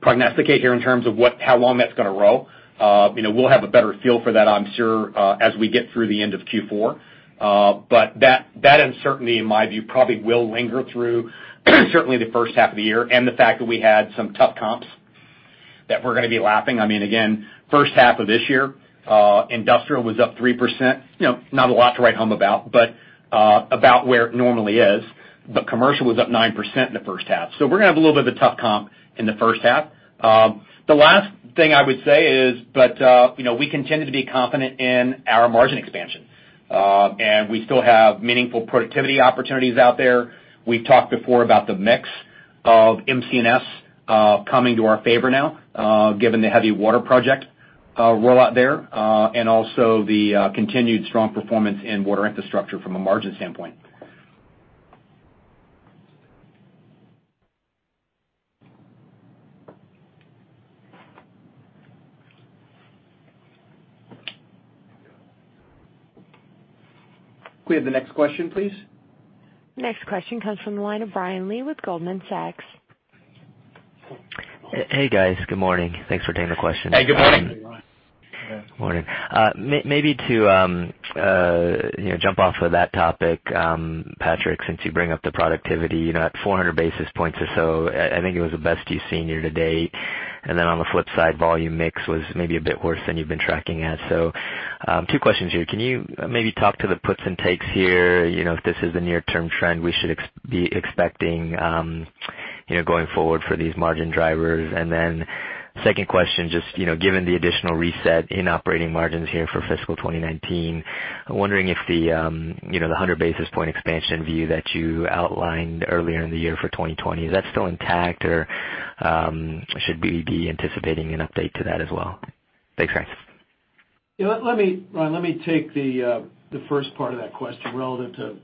prognosticate here in terms of how long that's going to roll. We'll have a better feel for that, I'm sure, as we get through the end of Q4. That uncertainty, in my view, probably will linger through certainly the first half of the year, and the fact that we had some tough comps that we're going to be lapping. Again, first half of this year, industrial was up 3%. Not a lot to write home about, but about where it normally is. Commercial was up 9% in the first half. We're going to have a little bit of a tough comp in the first half. The last thing I would say is, we continue to be confident in our margin expansion. We still have meaningful productivity opportunities out there. We've talked before about the mix of MC&S coming to our favor now, given the heavy water project rollout there, and also the continued strong performance in Water Infrastructure from a margin standpoint. Can we have the next question, please? Next question comes from the line of Brian Lee with Goldman Sachs. Hey, guys. Good morning. Thanks for taking the question. Hey, good morning. Morning. Maybe to jump off of that topic, Patrick, since you bring up the productivity, at 400 basis points or so, I think it was the best you've seen year to date. On the flip side, volume mix was maybe a bit worse than you've been tracking at. Two questions here. Can you maybe talk to the puts and takes here, if this is a near-term trend we should be expecting going forward for these margin drivers? Second question, just given the additional reset in operating margins here for fiscal 2019, I'm wondering if the 100 basis point expansion view that you outlined earlier in the year for 2020, is that still intact, or should we be anticipating an update to that as well? Thanks, guys. Let me take the first part of that question relevant to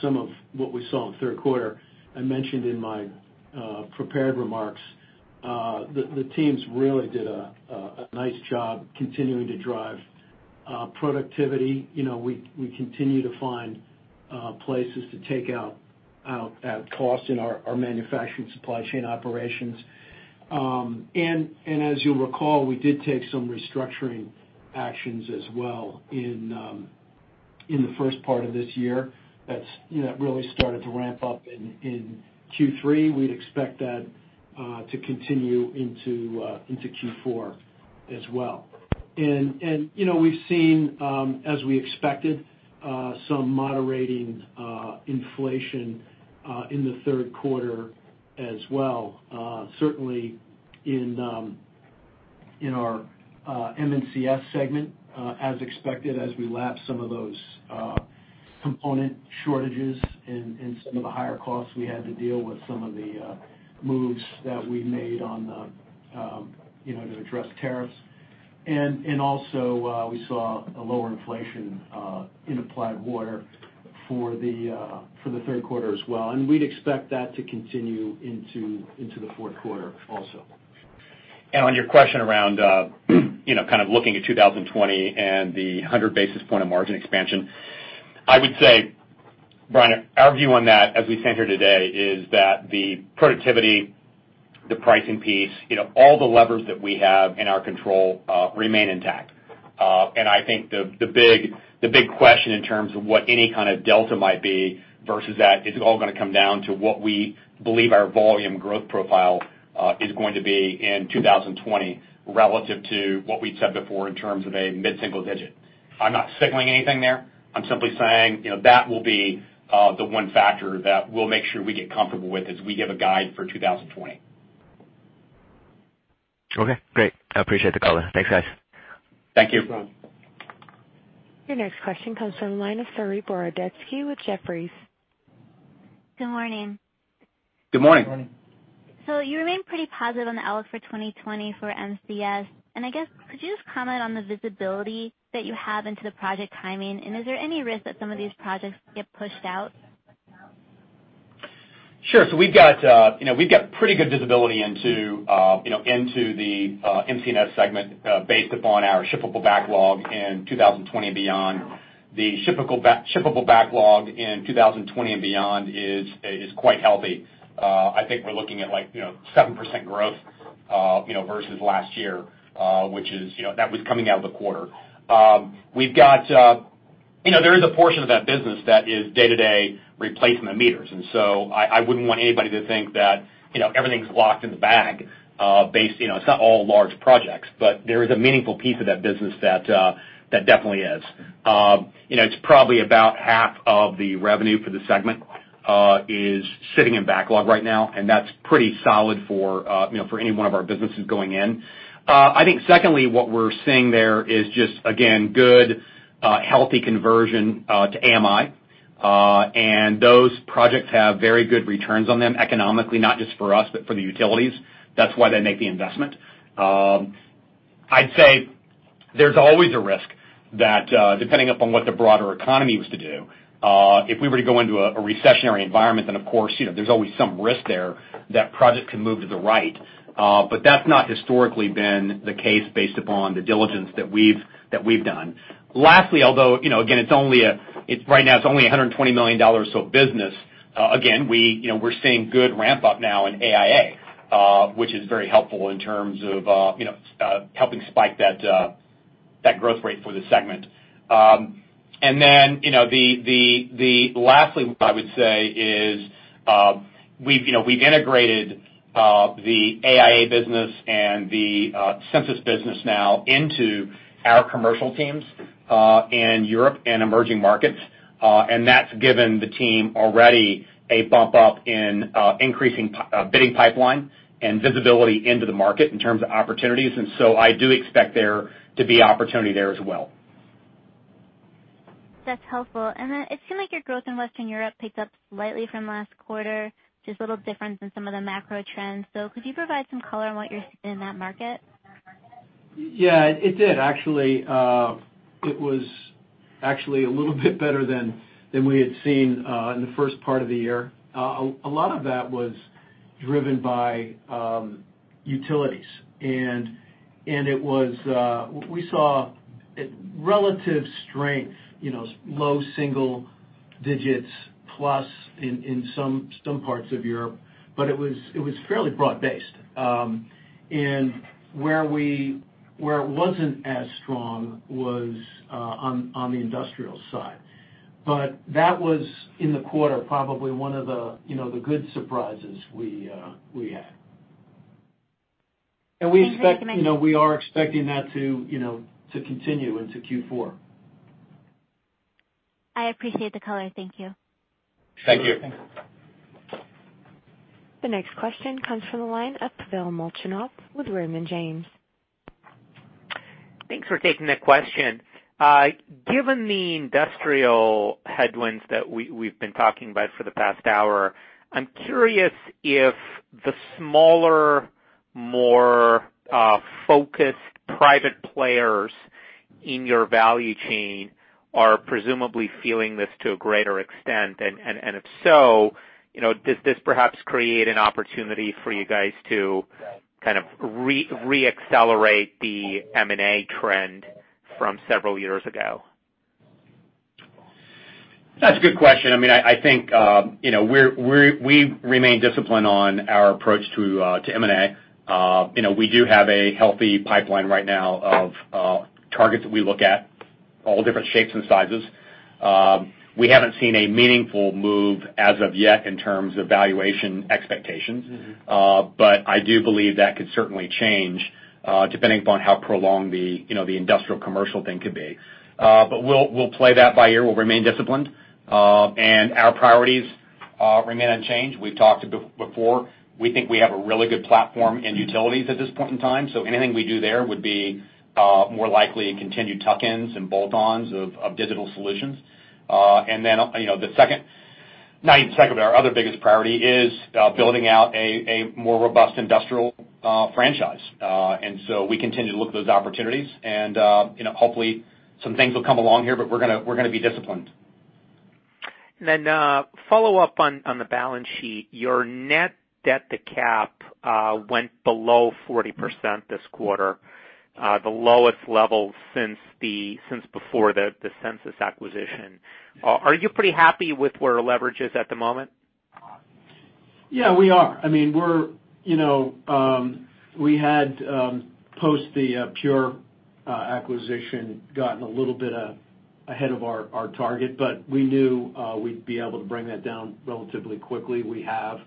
some of what we saw in the third quarter. I mentioned in my prepared remarks, the teams really did a nice job continuing to drive productivity. We continue to find places to take out cost in our manufacturing supply chain operations. As you'll recall, we did take some restructuring actions as well in the first part of this year. That really started to ramp up in Q3. We'd expect that to continue into Q4 as well. We've seen, as we expected, some moderating inflation in the third quarter as well. Certainly in our M&CS segment, as expected as we lap some of those component shortages and some of the higher costs we had to deal with some of the moves that we made to address tariffs. Also, we saw a lower inflation in Applied Water for the third quarter as well. We'd expect that to continue into the fourth quarter also. On your question around kind of looking at 2020 and the 100 basis points of margin expansion, I would say, Brian, our view on that, as we stand here today, is that the productivity, the pricing piece, all the levers that we have in our control remain intact. I think the big question in terms of what any kind of delta might be versus that is all going to come down to what we believe our volume growth profile is going to be in 2020 relative to what we'd said before in terms of a mid-single digit. I'm not signaling anything there. I'm simply saying, that will be the one factor that we'll make sure we get comfortable with as we give a guide for 2020. Okay, great. I appreciate the color. Thanks, guys. Thank you. Thanks, Brian. Your next question comes from the line of Saree Boroditsky with Jefferies. Good morning. Good morning. Morning. You remain pretty positive on the outlook for 2020 for MCS. I guess, could you just comment on the visibility that you have into the project timing, and is there any risk that some of these projects get pushed out? Sure. We've got pretty good visibility into the M&CS segment based upon our shippable backlog in 2020 and beyond. The shippable backlog in 2020 and beyond is quite healthy. I think we're looking at 7% growth versus last year, that was coming out of the quarter. There is a portion of that business that is day-to-day replacement meters. I wouldn't want anybody to think that everything's locked in the bag. It's not all large projects, but there is a meaningful piece of that business that definitely is. It's probably about half of the revenue for the segment is sitting in backlog right now, and that's pretty solid for any one of our businesses going in. I think secondly, what we're seeing there is just, again, good, healthy conversion to AMI. Those projects have very good returns on them economically, not just for us, but for the utilities. That's why they make the investment. I'd say there's always a risk that depending upon what the broader economy was to do, if we were to go into a recessionary environment, then of course, there's always some risk there that projects can move to the right. That's not historically been the case based upon the diligence that we've done. Lastly, although, again, right now it's only $120 million of business. We're seeing good ramp-up now in AIA, which is very helpful in terms of helping spike that growth rate for the segment. Lastly, what I would say is we've integrated the AIA business and the Sensus business now into our commercial teams in Europe and emerging markets. That's given the team already a bump up in increasing bidding pipeline and visibility into the market in terms of opportunities. I do expect there to be opportunity there as well. That's helpful. It seemed like your growth in Western Europe picked up slightly from last quarter, just a little difference in some of the macro trends. Could you provide some color on what you're seeing in that market? Yeah. It did, actually. It was actually a little bit better than we had seen in the first part of the year. A lot of that was driven by utilities. We saw relative strength, low single digits plus in some parts of Europe, but it was fairly broad-based. Where it wasn't as strong was on the industrial side. That was in the quarter, probably one of the good surprises we had. Thanks. We are expecting that to continue into Q4. I appreciate the color. Thank you. Thank you. Sure. Thanks. The next question comes from the line of Pavel Molchanov with Raymond James. Thanks for taking the question. Given the industrial headwinds that we've been talking about for the past hour, I'm curious if the smaller, more focused private players in your value chain are presumably feeling this to a greater extent. If so, does this perhaps create an opportunity for you guys to re-accelerate the M&A trend from several years ago? That's a good question. I think we remain disciplined on our approach to M&A. We do have a healthy pipeline right now of targets that we look at, all different shapes and sizes. We haven't seen a meaningful move as of yet in terms of valuation expectations. I do believe that could certainly change, depending upon how prolonged the industrial commercial thing could be. We'll play that by ear. We'll remain disciplined. Our priorities remain unchanged. We've talked before. We think we have a really good platform in utilities at this point in time. Anything we do there would be more likely continued tuck-ins and bolt-ons of digital solutions. The second, not even second, but our other biggest priority is building out a more robust industrial franchise. We continue to look at those opportunities and hopefully some things will come along here, but we're going to be disciplined. Then, follow-up on the balance sheet. Your net debt to cap went below 40% this quarter, the lowest level since before the Sensus acquisition. Are you pretty happy with where leverage is at the moment? Yeah, we are. We had post the Pure acquisition gotten a little bit ahead of our target, but we knew we'd be able to bring that down relatively quickly. We have.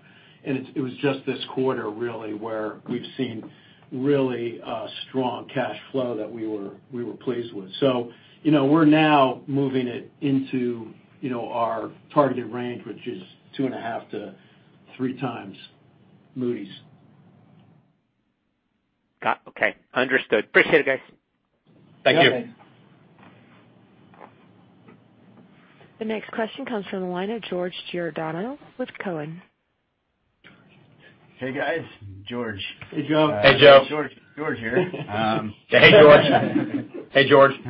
It was just this quarter really where we've seen really strong cash flow that we were pleased with. We're now moving it into our targeted range, which is two and a half to three times Moody's. Got it. Okay. Understood. Appreciate it, guys. Thank you. You bet. The next question comes from the line of George Giordano with Cowen. Hey, guys. George. Hey, George. Hey, George. George here. Hey, Joseph. Hey, Joseph.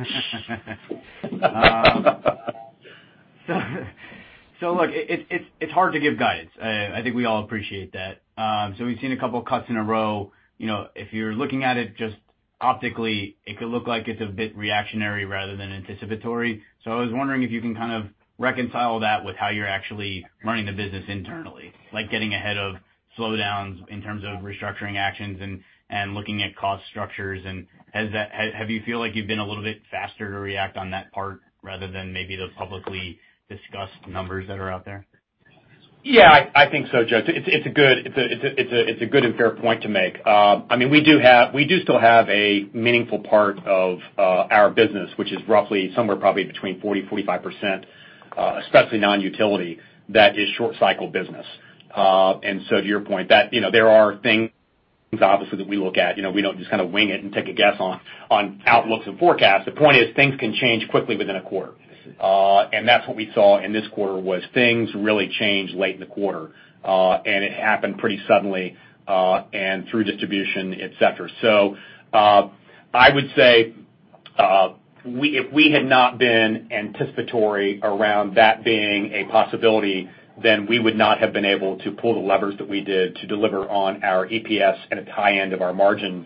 Look, it's hard to give guidance. I think we all appreciate that. We've seen a couple of cuts in a row. If you're looking at it just optically, it could look like it's a bit reactionary rather than anticipatory. I was wondering if you can kind of reconcile that with how you're actually running the business internally, like getting ahead of slowdowns in terms of restructuring actions and looking at cost structures. Have you feel like you've been a little bit faster to react on that part rather than maybe the publicly discussed numbers that are out there? Yeah, I think so, George. It's a good and fair point to make. We do still have a meaningful part of our business, which is roughly somewhere probably between 40%-45%, especially non-utility, that is short cycle business. To your point, there are things obviously that we look at. We don't just kind of wing it and take a guess on outlooks and forecasts. The point is things can change quickly within a quarter. That's what we saw in this quarter was things really changed late in the quarter. It happened pretty suddenly, and through distribution, et cetera. I would say, if we had not been anticipatory around that being a possibility, then we would not have been able to pull the levers that we did to deliver on our EPS and a tie end of our margin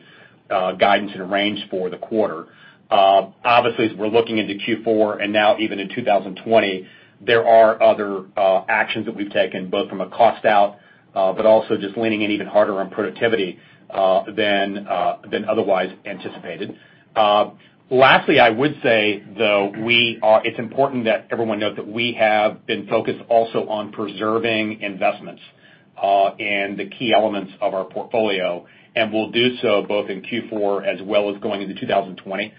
guidance and range for the quarter. Obviously, as we're looking into Q4 and now even in 2020, there are other actions that we've taken, both from a cost out, but also just leaning in even harder on productivity than otherwise anticipated. Lastly, I would say though it's important that everyone notes that we have been focused also on preserving investments in the key elements of our portfolio, and we'll do so both in Q4 as well as going into 2020.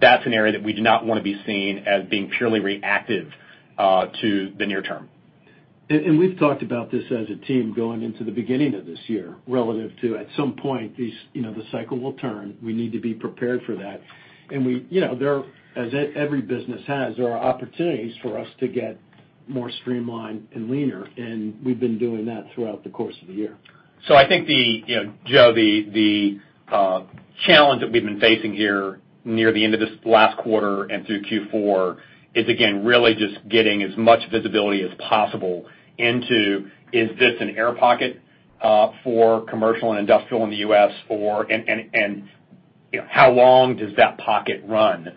That's an area that we do not want to be seen as being purely reactive to the near term. We've talked about this as a team going into the beginning of this year, relative to at some point, the cycle will turn. We need to be prepared for that. As every business has, there are opportunities for us to get more streamlined and leaner, and we've been doing that throughout the course of the year. I think, George, the challenge that we've been facing here near the end of this last quarter and through Q4 is again, really just getting as much visibility as possible into, is this an air pocket for commercial and industrial in the U.S.? How long does that pocket run,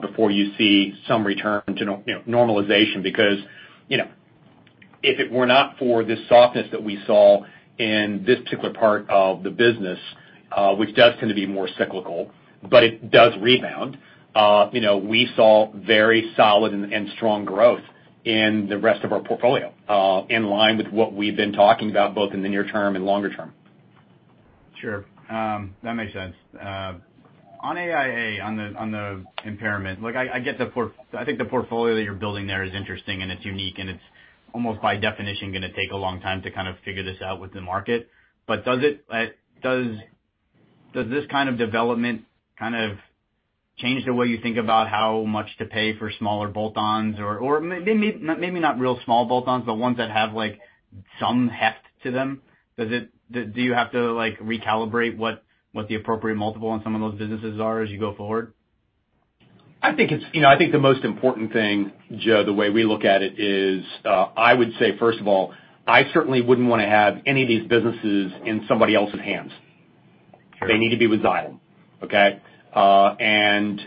before you see some return to normalization? If it were not for the softness that we saw in this particular part of the business, which does tend to be more cyclical, but it does rebound. We saw very solid and strong growth in the rest of our portfolio, in line with what we've been talking about, both in the near term and longer term. Sure. That makes sense. On AIA, on the impairment, I think the portfolio that you're building there is interesting and it's unique, and it's almost by definition going to take a long time to figure this out with the market. Does this kind of development change the way you think about how much to pay for smaller bolt-ons, or maybe not real small bolt-ons, but ones that have some heft to them? Do you have to recalibrate what the appropriate multiple on some of those businesses are as you go forward? I think the most important thing, Joe, the way we look at it is, I would say, first of all, I certainly wouldn't want to have any of these businesses in somebody else's hands. Sure. They need to be with Xylem. Okay?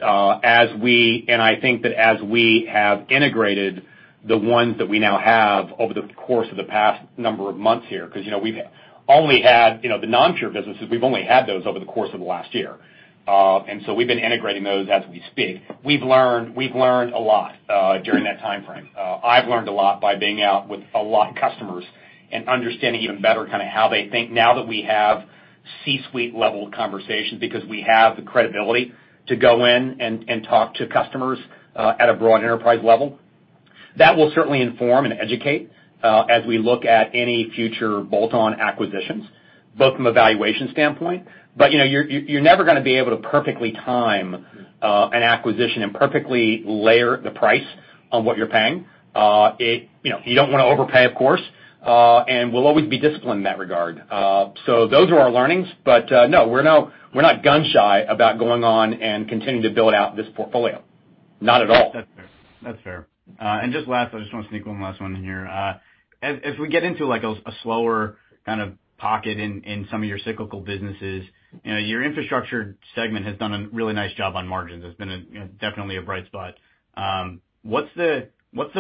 I think that as we have integrated the ones that we now have over the course of the past number of months here, because the non-Sensus businesses, we've only had those over the course of the last year. We've been integrating those as we speak. We've learned a lot, during that timeframe. I've learned a lot by being out with a lot of customers and understanding even better how they think now that we have C-suite level conversations, because we have the credibility to go in and talk to customers at a broad enterprise level. That will certainly inform and educate, as we look at any future bolt-on acquisitions, both from a valuation standpoint. You're never going to be able to perfectly time an acquisition and perfectly layer the price on what you're paying. You don't want to overpay, of course. We'll always be disciplined in that regard. Those are our learnings. No, we're not gun shy about going on and continuing to build out this portfolio. Not at all. That's fair. Just last, I just want to sneak one last one in here. As we get into a slower kind of pocket in some of your cyclical businesses, your Infrastructure segment has done a really nice job on margins. It's been definitely a bright spot. What's the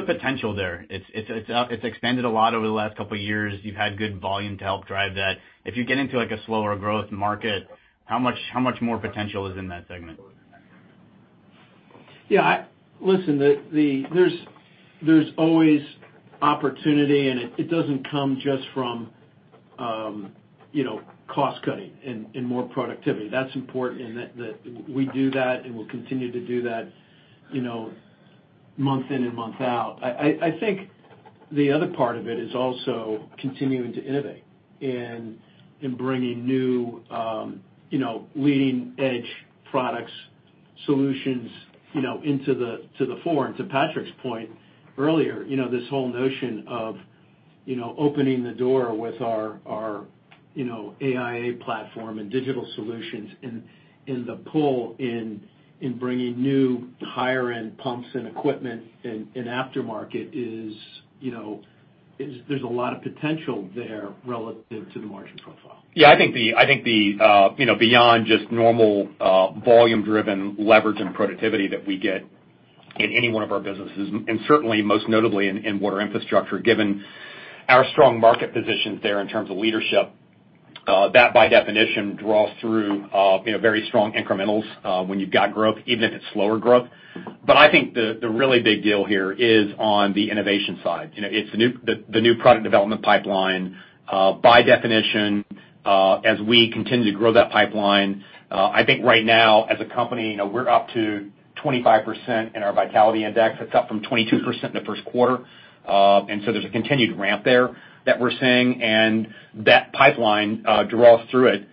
potential there? It's expanded a lot over the last couple of years. You've had good volume to help drive that. If you get into a slower growth market, how much more potential is in that segment? Yeah. Listen, there's always opportunity, and it doesn't come just from cost cutting and more productivity. That's important in that we do that, and we'll continue to do that month in and month out. I think the other part of it is also continuing to innovate and bringing new leading-edge products, solutions to the fore. To Patrick's point earlier, this whole notion of opening the door with our AIA platform and digital solutions and the pull in bringing new higher-end pumps and equipment in aftermarket is there's a lot of potential there relative to the margin profile. Yeah, I think beyond just normal volume-driven leverage and productivity that we get in any one of our businesses, and certainly most notably in Water Infrastructure, given our strong market positions there in terms of leadership. That by definition draws through very strong incrementals when you've got growth, even if it's slower growth. I think the really big deal here is on the innovation side. It's the new product development pipeline. By definition, as we continue to grow that pipeline, I think right now as a company, we're up to 25% in our Vitality Index. That's up from 22% in the first quarter. There's a continued ramp there that we're seeing, and that pipeline draws through it,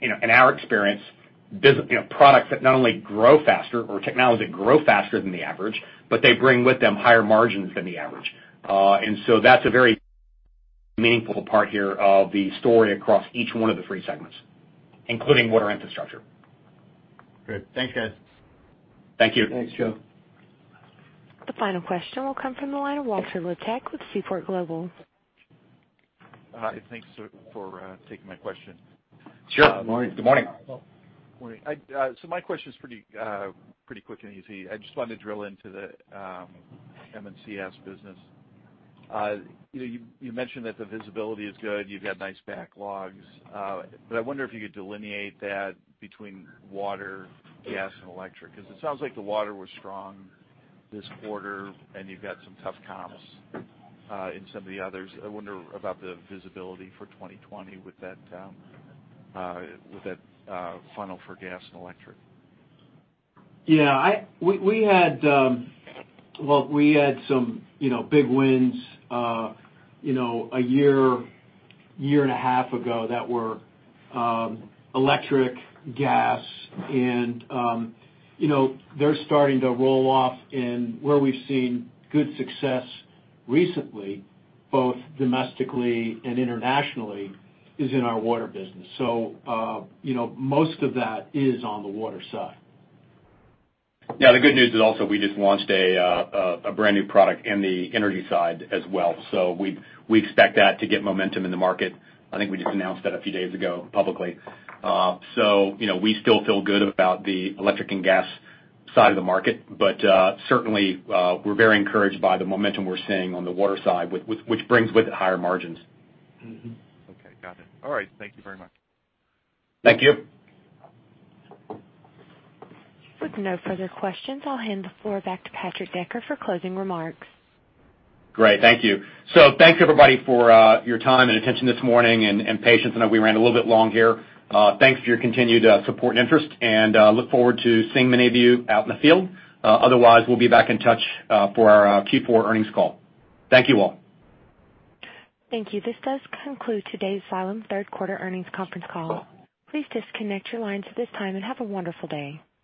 in our experience, products that not only grow faster or technology grow faster than the average, but they bring with them higher margins than the average. That's a very meaningful part here of the story across each one of the three segments, including Water Infrastructure. Great. Thanks, guys. Thank you. Thanks, Joe. The final question will come from the line of Walt Loehwing with Seaport Global. Hi. Thanks for taking my question. Sure. Good morning. Morning. Morning. My question's pretty quick and easy. I just wanted to drill into the M&CS business. You mentioned that the visibility is good. You've got nice backlogs. I wonder if you could delineate that between water, gas, and electric, because it sounds like the water was strong this quarter and you've got some tough comps in some of the others. I wonder about the visibility for 2020 with that funnel for gas and electric. Yeah. We had some big wins a year and a half ago that were electric, gas, and they're starting to roll off. Where we've seen good success recently, both domestically and internationally, is in our water business. Most of that is on the water side. Yeah, the good news is also we just launched a brand new product in the energy side as well. We expect that to get momentum in the market. I think we just announced that a few days ago publicly. We still feel good about the electric and gas side of the market, but certainly, we're very encouraged by the momentum we're seeing on the water side, which brings with it higher margins. Okay. Got it. All right. Thank you very much. Thank you. With no further questions, I'll hand the floor back to Patrick Decker for closing remarks. Great. Thank you. Thanks everybody for your time and attention this morning, and patience. I know we ran a little bit long here. Thanks for your continued support and interest, and look forward to seeing many of you out in the field. Otherwise, we will be back in touch for our Q4 earnings call. Thank you all. Thank you. This does conclude today's Xylem third quarter earnings conference call. Please disconnect your lines at this time and have a wonderful day.